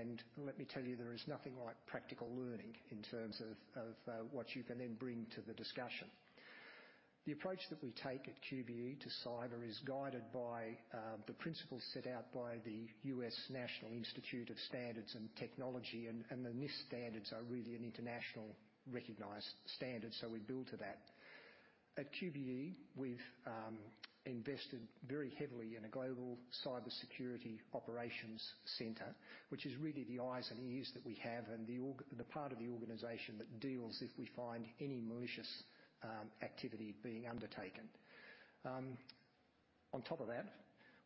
Speaker 1: and let me tell you, there is nothing like practical learning in terms of what you can then bring to the discussion. The approach that we take at QBE to cyber is guided by the principles set out by the U.S. National Institute of Standards and Technology, and the NIST standards are really an international recognized standard, so we build to that. At QBE, we've invested very heavily in a global cybersecurity operations center, which is really the eyes and ears that we have and the part of the organization that deals if we find any malicious activity being undertaken. On top of that,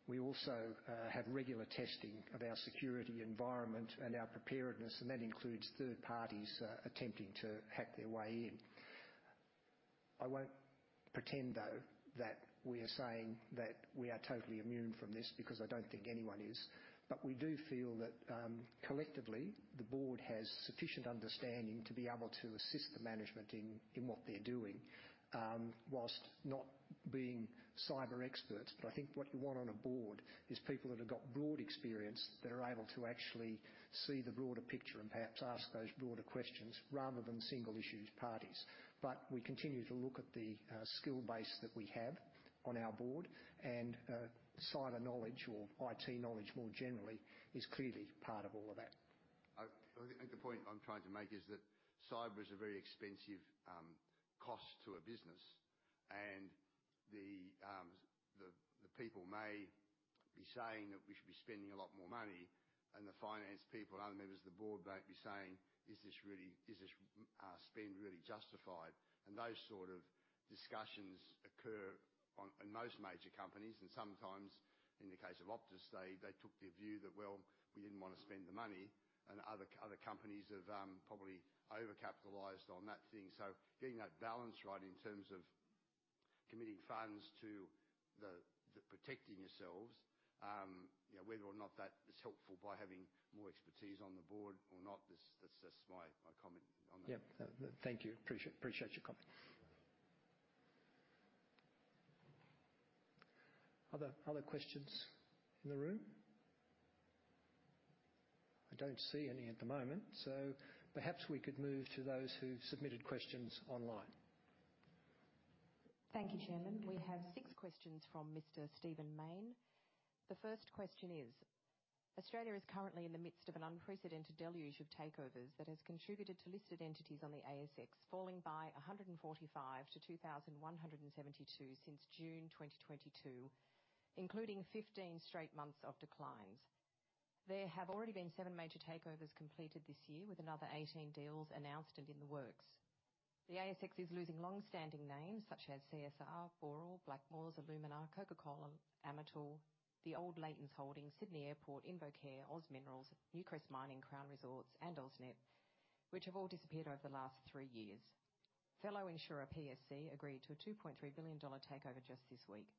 Speaker 1: we also have regular testing of our security environment and our preparedness, and that includes third parties attempting to hack their way in. I won't pretend, though, that we are saying that we are totally immune from this because I don't think anyone is, but we do feel that collectively, the board has sufficient understanding to be able to assist the management in what they're doing while not being cyber experts. But I think what you want on a board is people that have got broad experience that are able to actually see the broader picture and perhaps ask those broader questions rather than single issues parties. But we continue to look at the skill base that we have on our board, and cyber knowledge or IT knowledge more generally is clearly part of all of that.
Speaker 8: I think the point I'm trying to make is that cyber is a very expensive cost to a business, and the people may be saying that we should be spending a lot more money, and the finance people and other members of the board may be saying, "Is this spend really justified?" And those sort of discussions occur in most major companies, and sometimes, in the case of Optus, they took their view that, "Well, we didn't want to spend the money, and other companies have probably overcapitalised on that thing." So getting that balance right in terms of committing funds to protecting yourselves, whether or not that is helpful by having more expertise on the board or not, that's just my comment on that.
Speaker 1: Yep. Thank you. Appreciate your comment. Other questions in the room? I don't see any at the moment, so perhaps we could move to those who've submitted questions online.
Speaker 9: Thank you, Chairman. We have 6 questions from Mr. Stephen Mayne. The first question is, "Australia is currently in the midst of an unprecedented deluge of takeovers that has contributed to listed entities on the ASX falling by 145 to 2,172 since June 2022, including 15 straight months of declines. There have already been 7 major takeovers completed this year with another 18 deals announced and in the works. The ASX is losing longstanding names such as CSR, Boral, Blackmores, Alumina, Coca-Cola Amatil, The old Leighton Holdings, Sydney Airport, InvoCare, OZ Minerals, Newcrest Mining, Crown Resorts, and AusNet, which have all disappeared over the last 3 years. Fellow insurer PSC agreed to a 2.3 billion dollar takeover just this week.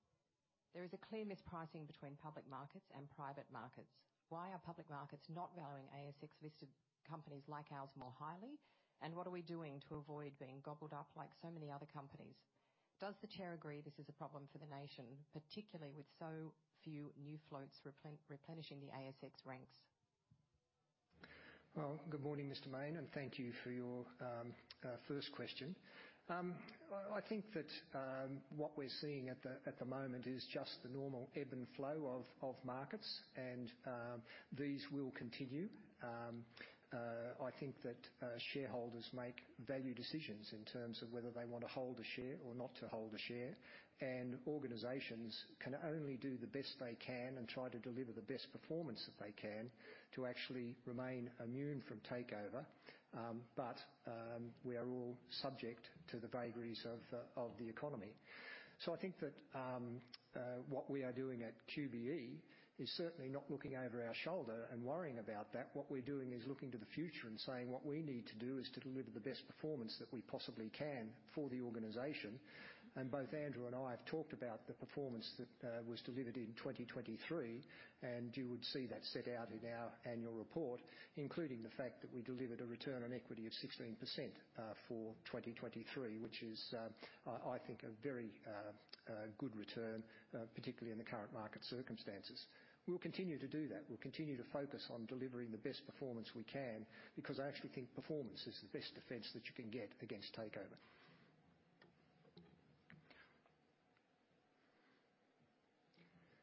Speaker 9: There is a clear mispricing between public markets and private markets. Why are public markets not valuing ASX-listed companies like ours more highly, and what are we doing to avoid being gobbled up like so many other companies? Does the Chair agree this is a problem for the nation, particularly with so few new floats replenishing the ASX ranks?
Speaker 1: Well, good morning, Mr. Mayne, and thank you for your first question. I think that what we're seeing at the moment is just the normal ebb and flow of markets, and these will continue. I think that shareholders make value decisions in terms of whether they want to hold a share or not to hold a share, and organisations can only do the best they can and try to deliver the best performance that they can to actually remain immune from takeover, but we are all subject to the vagaries of the economy. I think that what we are doing at QBE is certainly not looking over our shoulder and worrying about that. What we're doing is looking to the future and saying, "What we need to do is to deliver the best performance that we possibly can for the organization." And both Andrew and I have talked about the performance that was delivered in 2023, and you would see that set out in our annual report, including the fact that we delivered a return on equity of 16% for 2023, which is, I think, a very good return, particularly in the current market circumstances. We'll continue to do that. We'll continue to focus on delivering the best performance we can because I actually think performance is the best defence that you can get against takeover.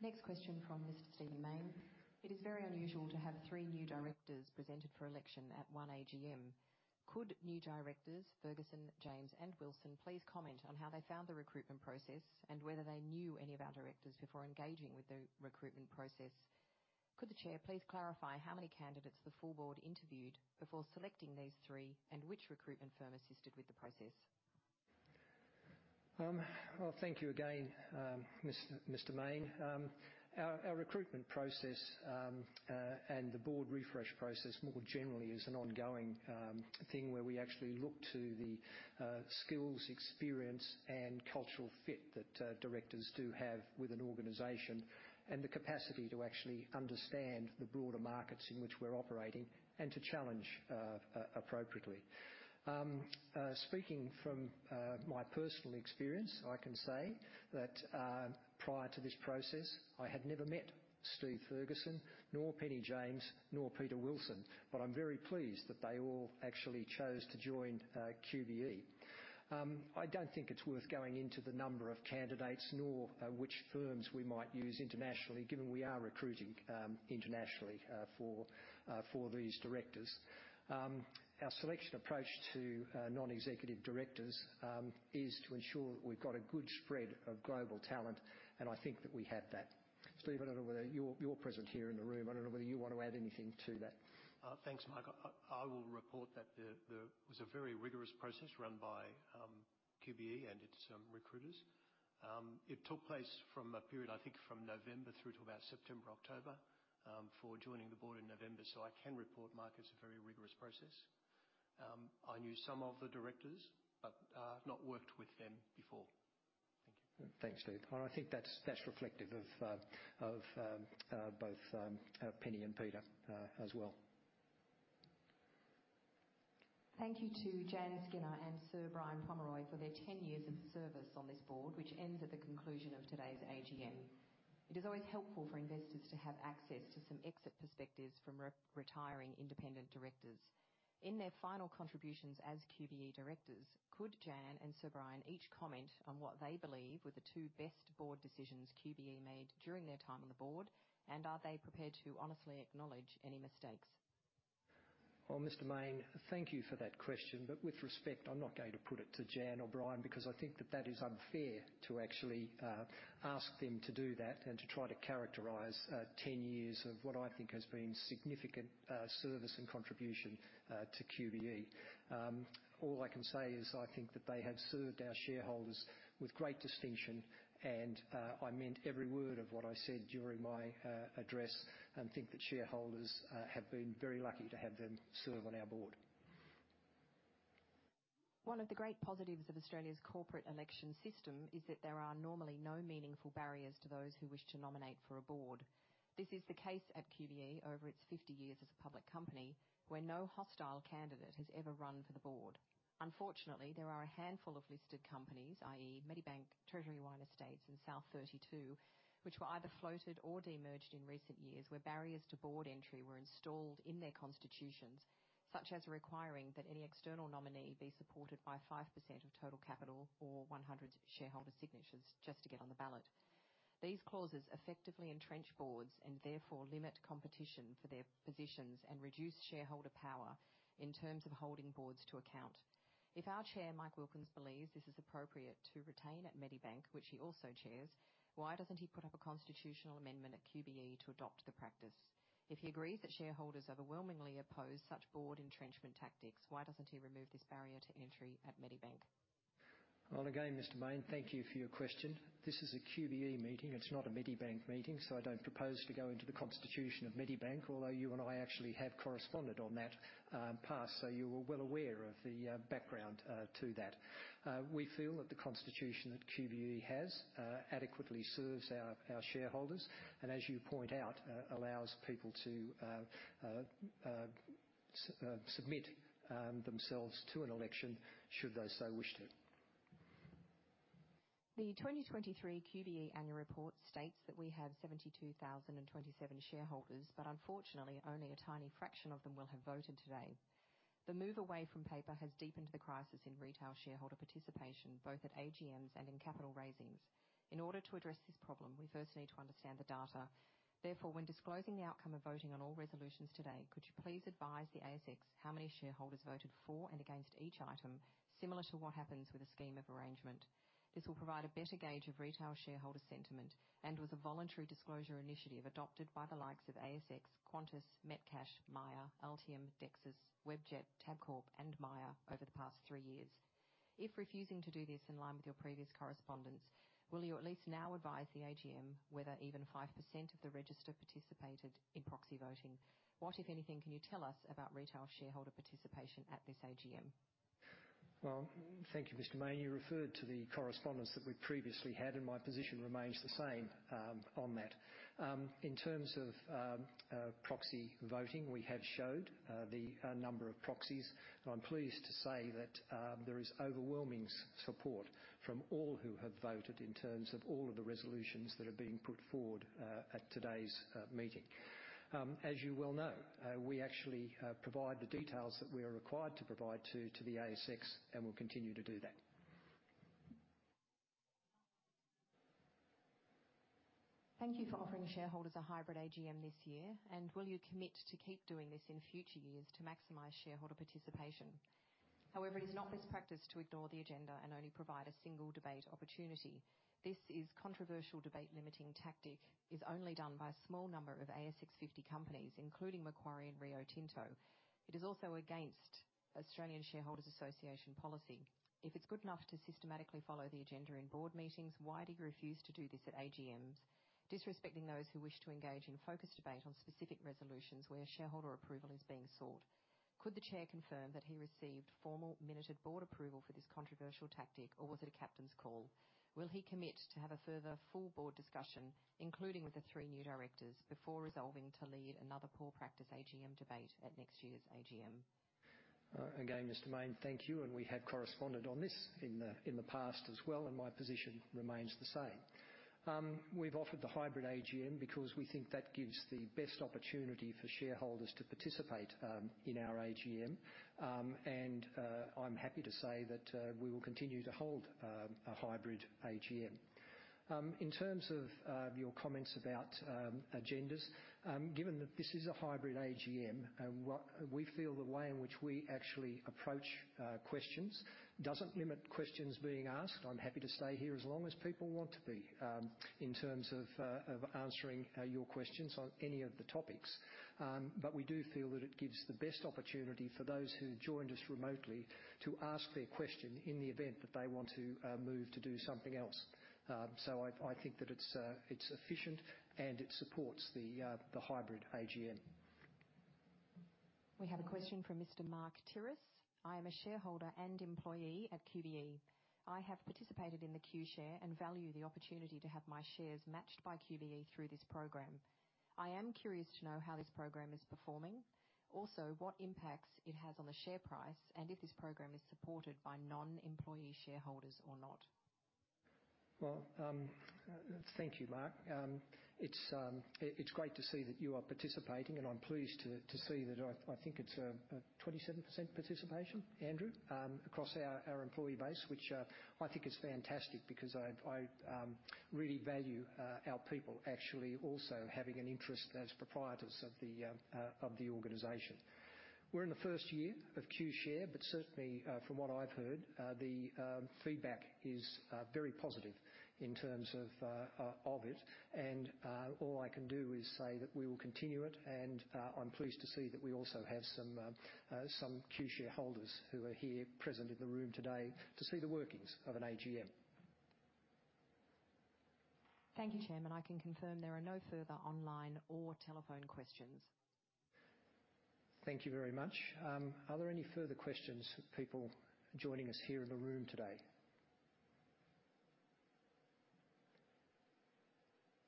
Speaker 10: Next question from Mr. Stephen Mayne. "It is very unusual to have three new directors presented for election at one AGM. Could new directors, Ferguson, James, and Wilson, please comment on how they found the recruitment process and whether they knew any of our directors before engaging with the recruitment process? Could the Chair please clarify how many candidates the full board interviewed before selecting these three, and which recruitment firm assisted with the process?
Speaker 1: Well, thank you again, Mr. Mayne. Our recruitment process and the board refresh process, more generally, is an ongoing thing where we actually look to the skills, experience, and cultural fit that directors do have with an organization and the capacity to actually understand the broader markets in which we're operating and to challenge appropriately. Speaking from my personal experience, I can say that prior to this process, I had never met Steve Ferguson, nor Penny James, nor Peter Wilson, but I'm very pleased that they all actually chose to join QBE. I don't think it's worth going into the number of candidates nor which firms we might use internationally, given we are recruiting internationally for these directors. Our selection approach to non-executive directors is to ensure that we've got a good spread of global talent, and I think that we have that. Stephen, I don't know whether you're present here in the room. I don't know whether you want to add anything to that.
Speaker 7: Thanks, Mike. I will report that there was a very rigorous process run by QBE and its recruiters. It took place from a period, I think, from November through to about September, October for joining the board in November, so I can report market's a very rigorous process. I knew some of the directors but have not worked with them before. Thank you.
Speaker 1: Thanks, Steve. Well, I think that's reflective of both Penny and Peter as well.
Speaker 10: Thank you to Jan Skinner and Sir Brian Pomeroy for their 10 years of service on this board, which ends at the conclusion of today's AGM. It is always helpful for investors to have access to some exit perspectives from retiring independent directors. In their final contributions as QBE directors, could Jan and Sir Brian each comment on what they believe were the two best board decisions QBE made during their time on the board, and are they prepared to honestly acknowledge any mistakes?
Speaker 1: Well, Mr. Mayne, thank you for that question, but with respect, I'm not going to put it to Jan or Brian because I think that that is unfair to actually ask them to do that and to try to characterize 10 years of what I think has been significant service and contribution to QBE. All I can say is I think that they have served our shareholders with great distinction, and I meant every word of what I said during my address and think that shareholders have been very lucky to have them serve on our board.
Speaker 10: One of the great positives of Australia's corporate election system is that there are normally no meaningful barriers to those who wish to nominate for a board. This is the case at QBE over its 50 years as a public company, where no hostile candidate has ever run for the board. Unfortunately, there are a handful of listed companies, i.e., Medibank, Treasury Wine Estates, and South32, which were either floated or demerged in recent years where barriers to board entry were installed in their constitutions, such as requiring that any external nominee be supported by 5% of total capital or 100 shareholder signatures just to get on the ballot. These clauses effectively entrench boards and therefore limit competition for their positions and reduce shareholder power in terms of holding boards to account. If our Chair, Mike Wilkins, believes this is appropriate to retain at Medibank, which he also chairs, why doesn't he put up a constitutional amendment at QBE to adopt the practice? If he agrees that shareholders overwhelmingly oppose such board entrenchment tactics, why doesn't he remove this barrier to entry at Medibank?
Speaker 1: Well, again, Mr. Mayne, thank you for your question. This is a QBE meeting. It's not a Medibank meeting, so I don't propose to go into the constitution of Medibank, although you and I actually have corresponded on that past, so you are well aware of the background to that. We feel that the constitution that QBE has adequately serves our shareholders and, as you point out, allows people to submit themselves to an election should those so wish to.
Speaker 10: The 2023 QBE annual report states that we have 72,027 shareholders, but unfortunately, only a tiny fraction of them will have voted today. The move away from paper has deepened the crisis in retail shareholder participation, both at AGMs and in capital raisings. In order to address this problem, we first need to understand the data. Therefore, when disclosing the outcome of voting on all resolutions today, could you please advise the ASX how many shareholders voted for and against each item, similar to what happens with a scheme of arrangement? This will provide a better gauge of retail shareholder sentiment and was a voluntary disclosure initiative adopted by the likes of ASX, Qantas, Metcash, Myer, Altium, Dexus, Webjet, Tabcorp, and Myer over the past three years. If refusing to do this in line with your previous correspondence, will you at least now advise the AGM whether even 5% of the register participated in proxy voting? What, if anything, can you tell us about retail shareholder participation at this AGM?
Speaker 1: Well, thank you, Mr. Mayne. You referred to the correspondence that we previously had, and my position remains the same on that. In terms of proxy voting, we have showed the number of proxies, and I'm pleased to say that there is overwhelming support from all who have voted in terms of all of the resolutions that are being put forward at today's meeting. As you well know, we actually provide the details that we are required to provide to the ASX, and we'll continue to do that.
Speaker 10: Thank you for offering shareholders a hybrid AGM this year, and will you commit to keep doing this in future years to maximize shareholder participation? However, it is not best practice to ignore the agenda and only provide a single debate opportunity. This is a controversial debate-limiting tactic, which is only done by a small number of ASX 50 companies, including Macquarie and Rio Tinto. It is also against Australian Shareholders Association policy. If it's good enough to systematically follow the agenda in board meetings, why do you refuse to do this at AGMs, disrespecting those who wish to engage in focused debate on specific resolutions where shareholder approval is being sought? Could the Chair confirm that he received formal minute-board approval for this controversial tactic, or was it a captain's call? Will he commit to have a further full board discussion, including with the three new directors, before resolving to lead another poor-practice AGM debate at next year's AGM?
Speaker 1: Again, Mr. Mayne, thank you, and we have corresponded on this in the past as well, and my position remains the same. We've offered the hybrid AGM because we think that gives the best opportunity for shareholders to participate in our AGM, and I'm happy to say that we will continue to hold a hybrid AGM. In terms of your comments about agendas, given that this is a hybrid AGM, we feel the way in which we actually approach questions doesn't limit questions being asked. I'm happy to stay here as long as people want to be in terms of answering your questions on any of the topics, but we do feel that it gives the best opportunity for those who joined us remotely to ask their question in the event that they want to move to do something else. I think that it's efficient, and it supports the hybrid AGM.
Speaker 10: We have a question from Mr. Mark Terris. "I am a shareholder and employee at QBE. I have participated in the QShare and value the opportunity to have my shares matched by QBE through this program. I am curious to know how this program is performing. Also, what impacts it has on the share price and if this program is supported by non-employee shareholders or not.
Speaker 1: Well, thank you, Mark. It's great to see that you are participating, and I'm pleased to see that I think it's a 27% participation, Andrew, across our employee base, which I think is fantastic because I really value our people actually also having an interest as proprietors of the organization. We're in the first year of QShare, but certainly, from what I've heard, the feedback is very positive in terms of it, and all I can do is say that we will continue it, and I'm pleased to see that we also have some QShare holders who are here present in the room today to see the workings of an AGM.
Speaker 10: Thank you, Chair. I can confirm there are no further online or telephone questions.
Speaker 1: Thank you very much. Are there any further questions, people joining us here in the room today?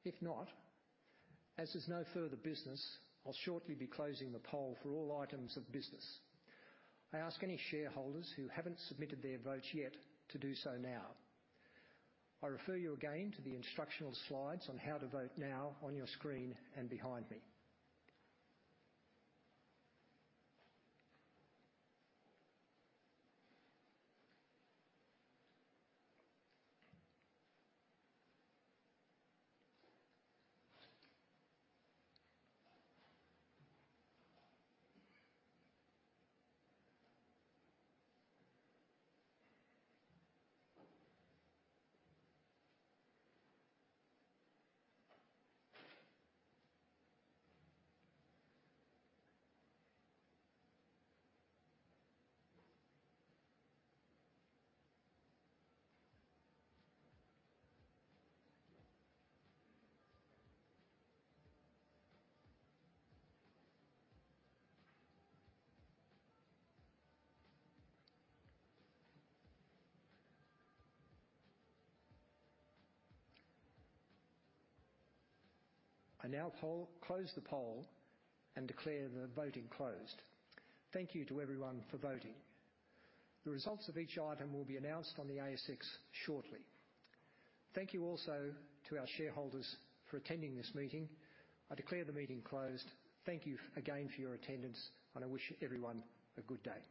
Speaker 1: If not, as there's no further business, I'll shortly be closing the poll for all items of business. I ask any shareholders who haven't submitted their votes yet to do so now. I refer you again to the instructional slides on how to vote now on your screen and behind me. I now close the poll and declare the voting closed. Thank you to everyone for voting. The results of each item will be announced on the ASX shortly. Thank you also to our shareholders for attending this meeting. I declare the meeting closed. Thank you again for your attendance, and I wish everyone a good day.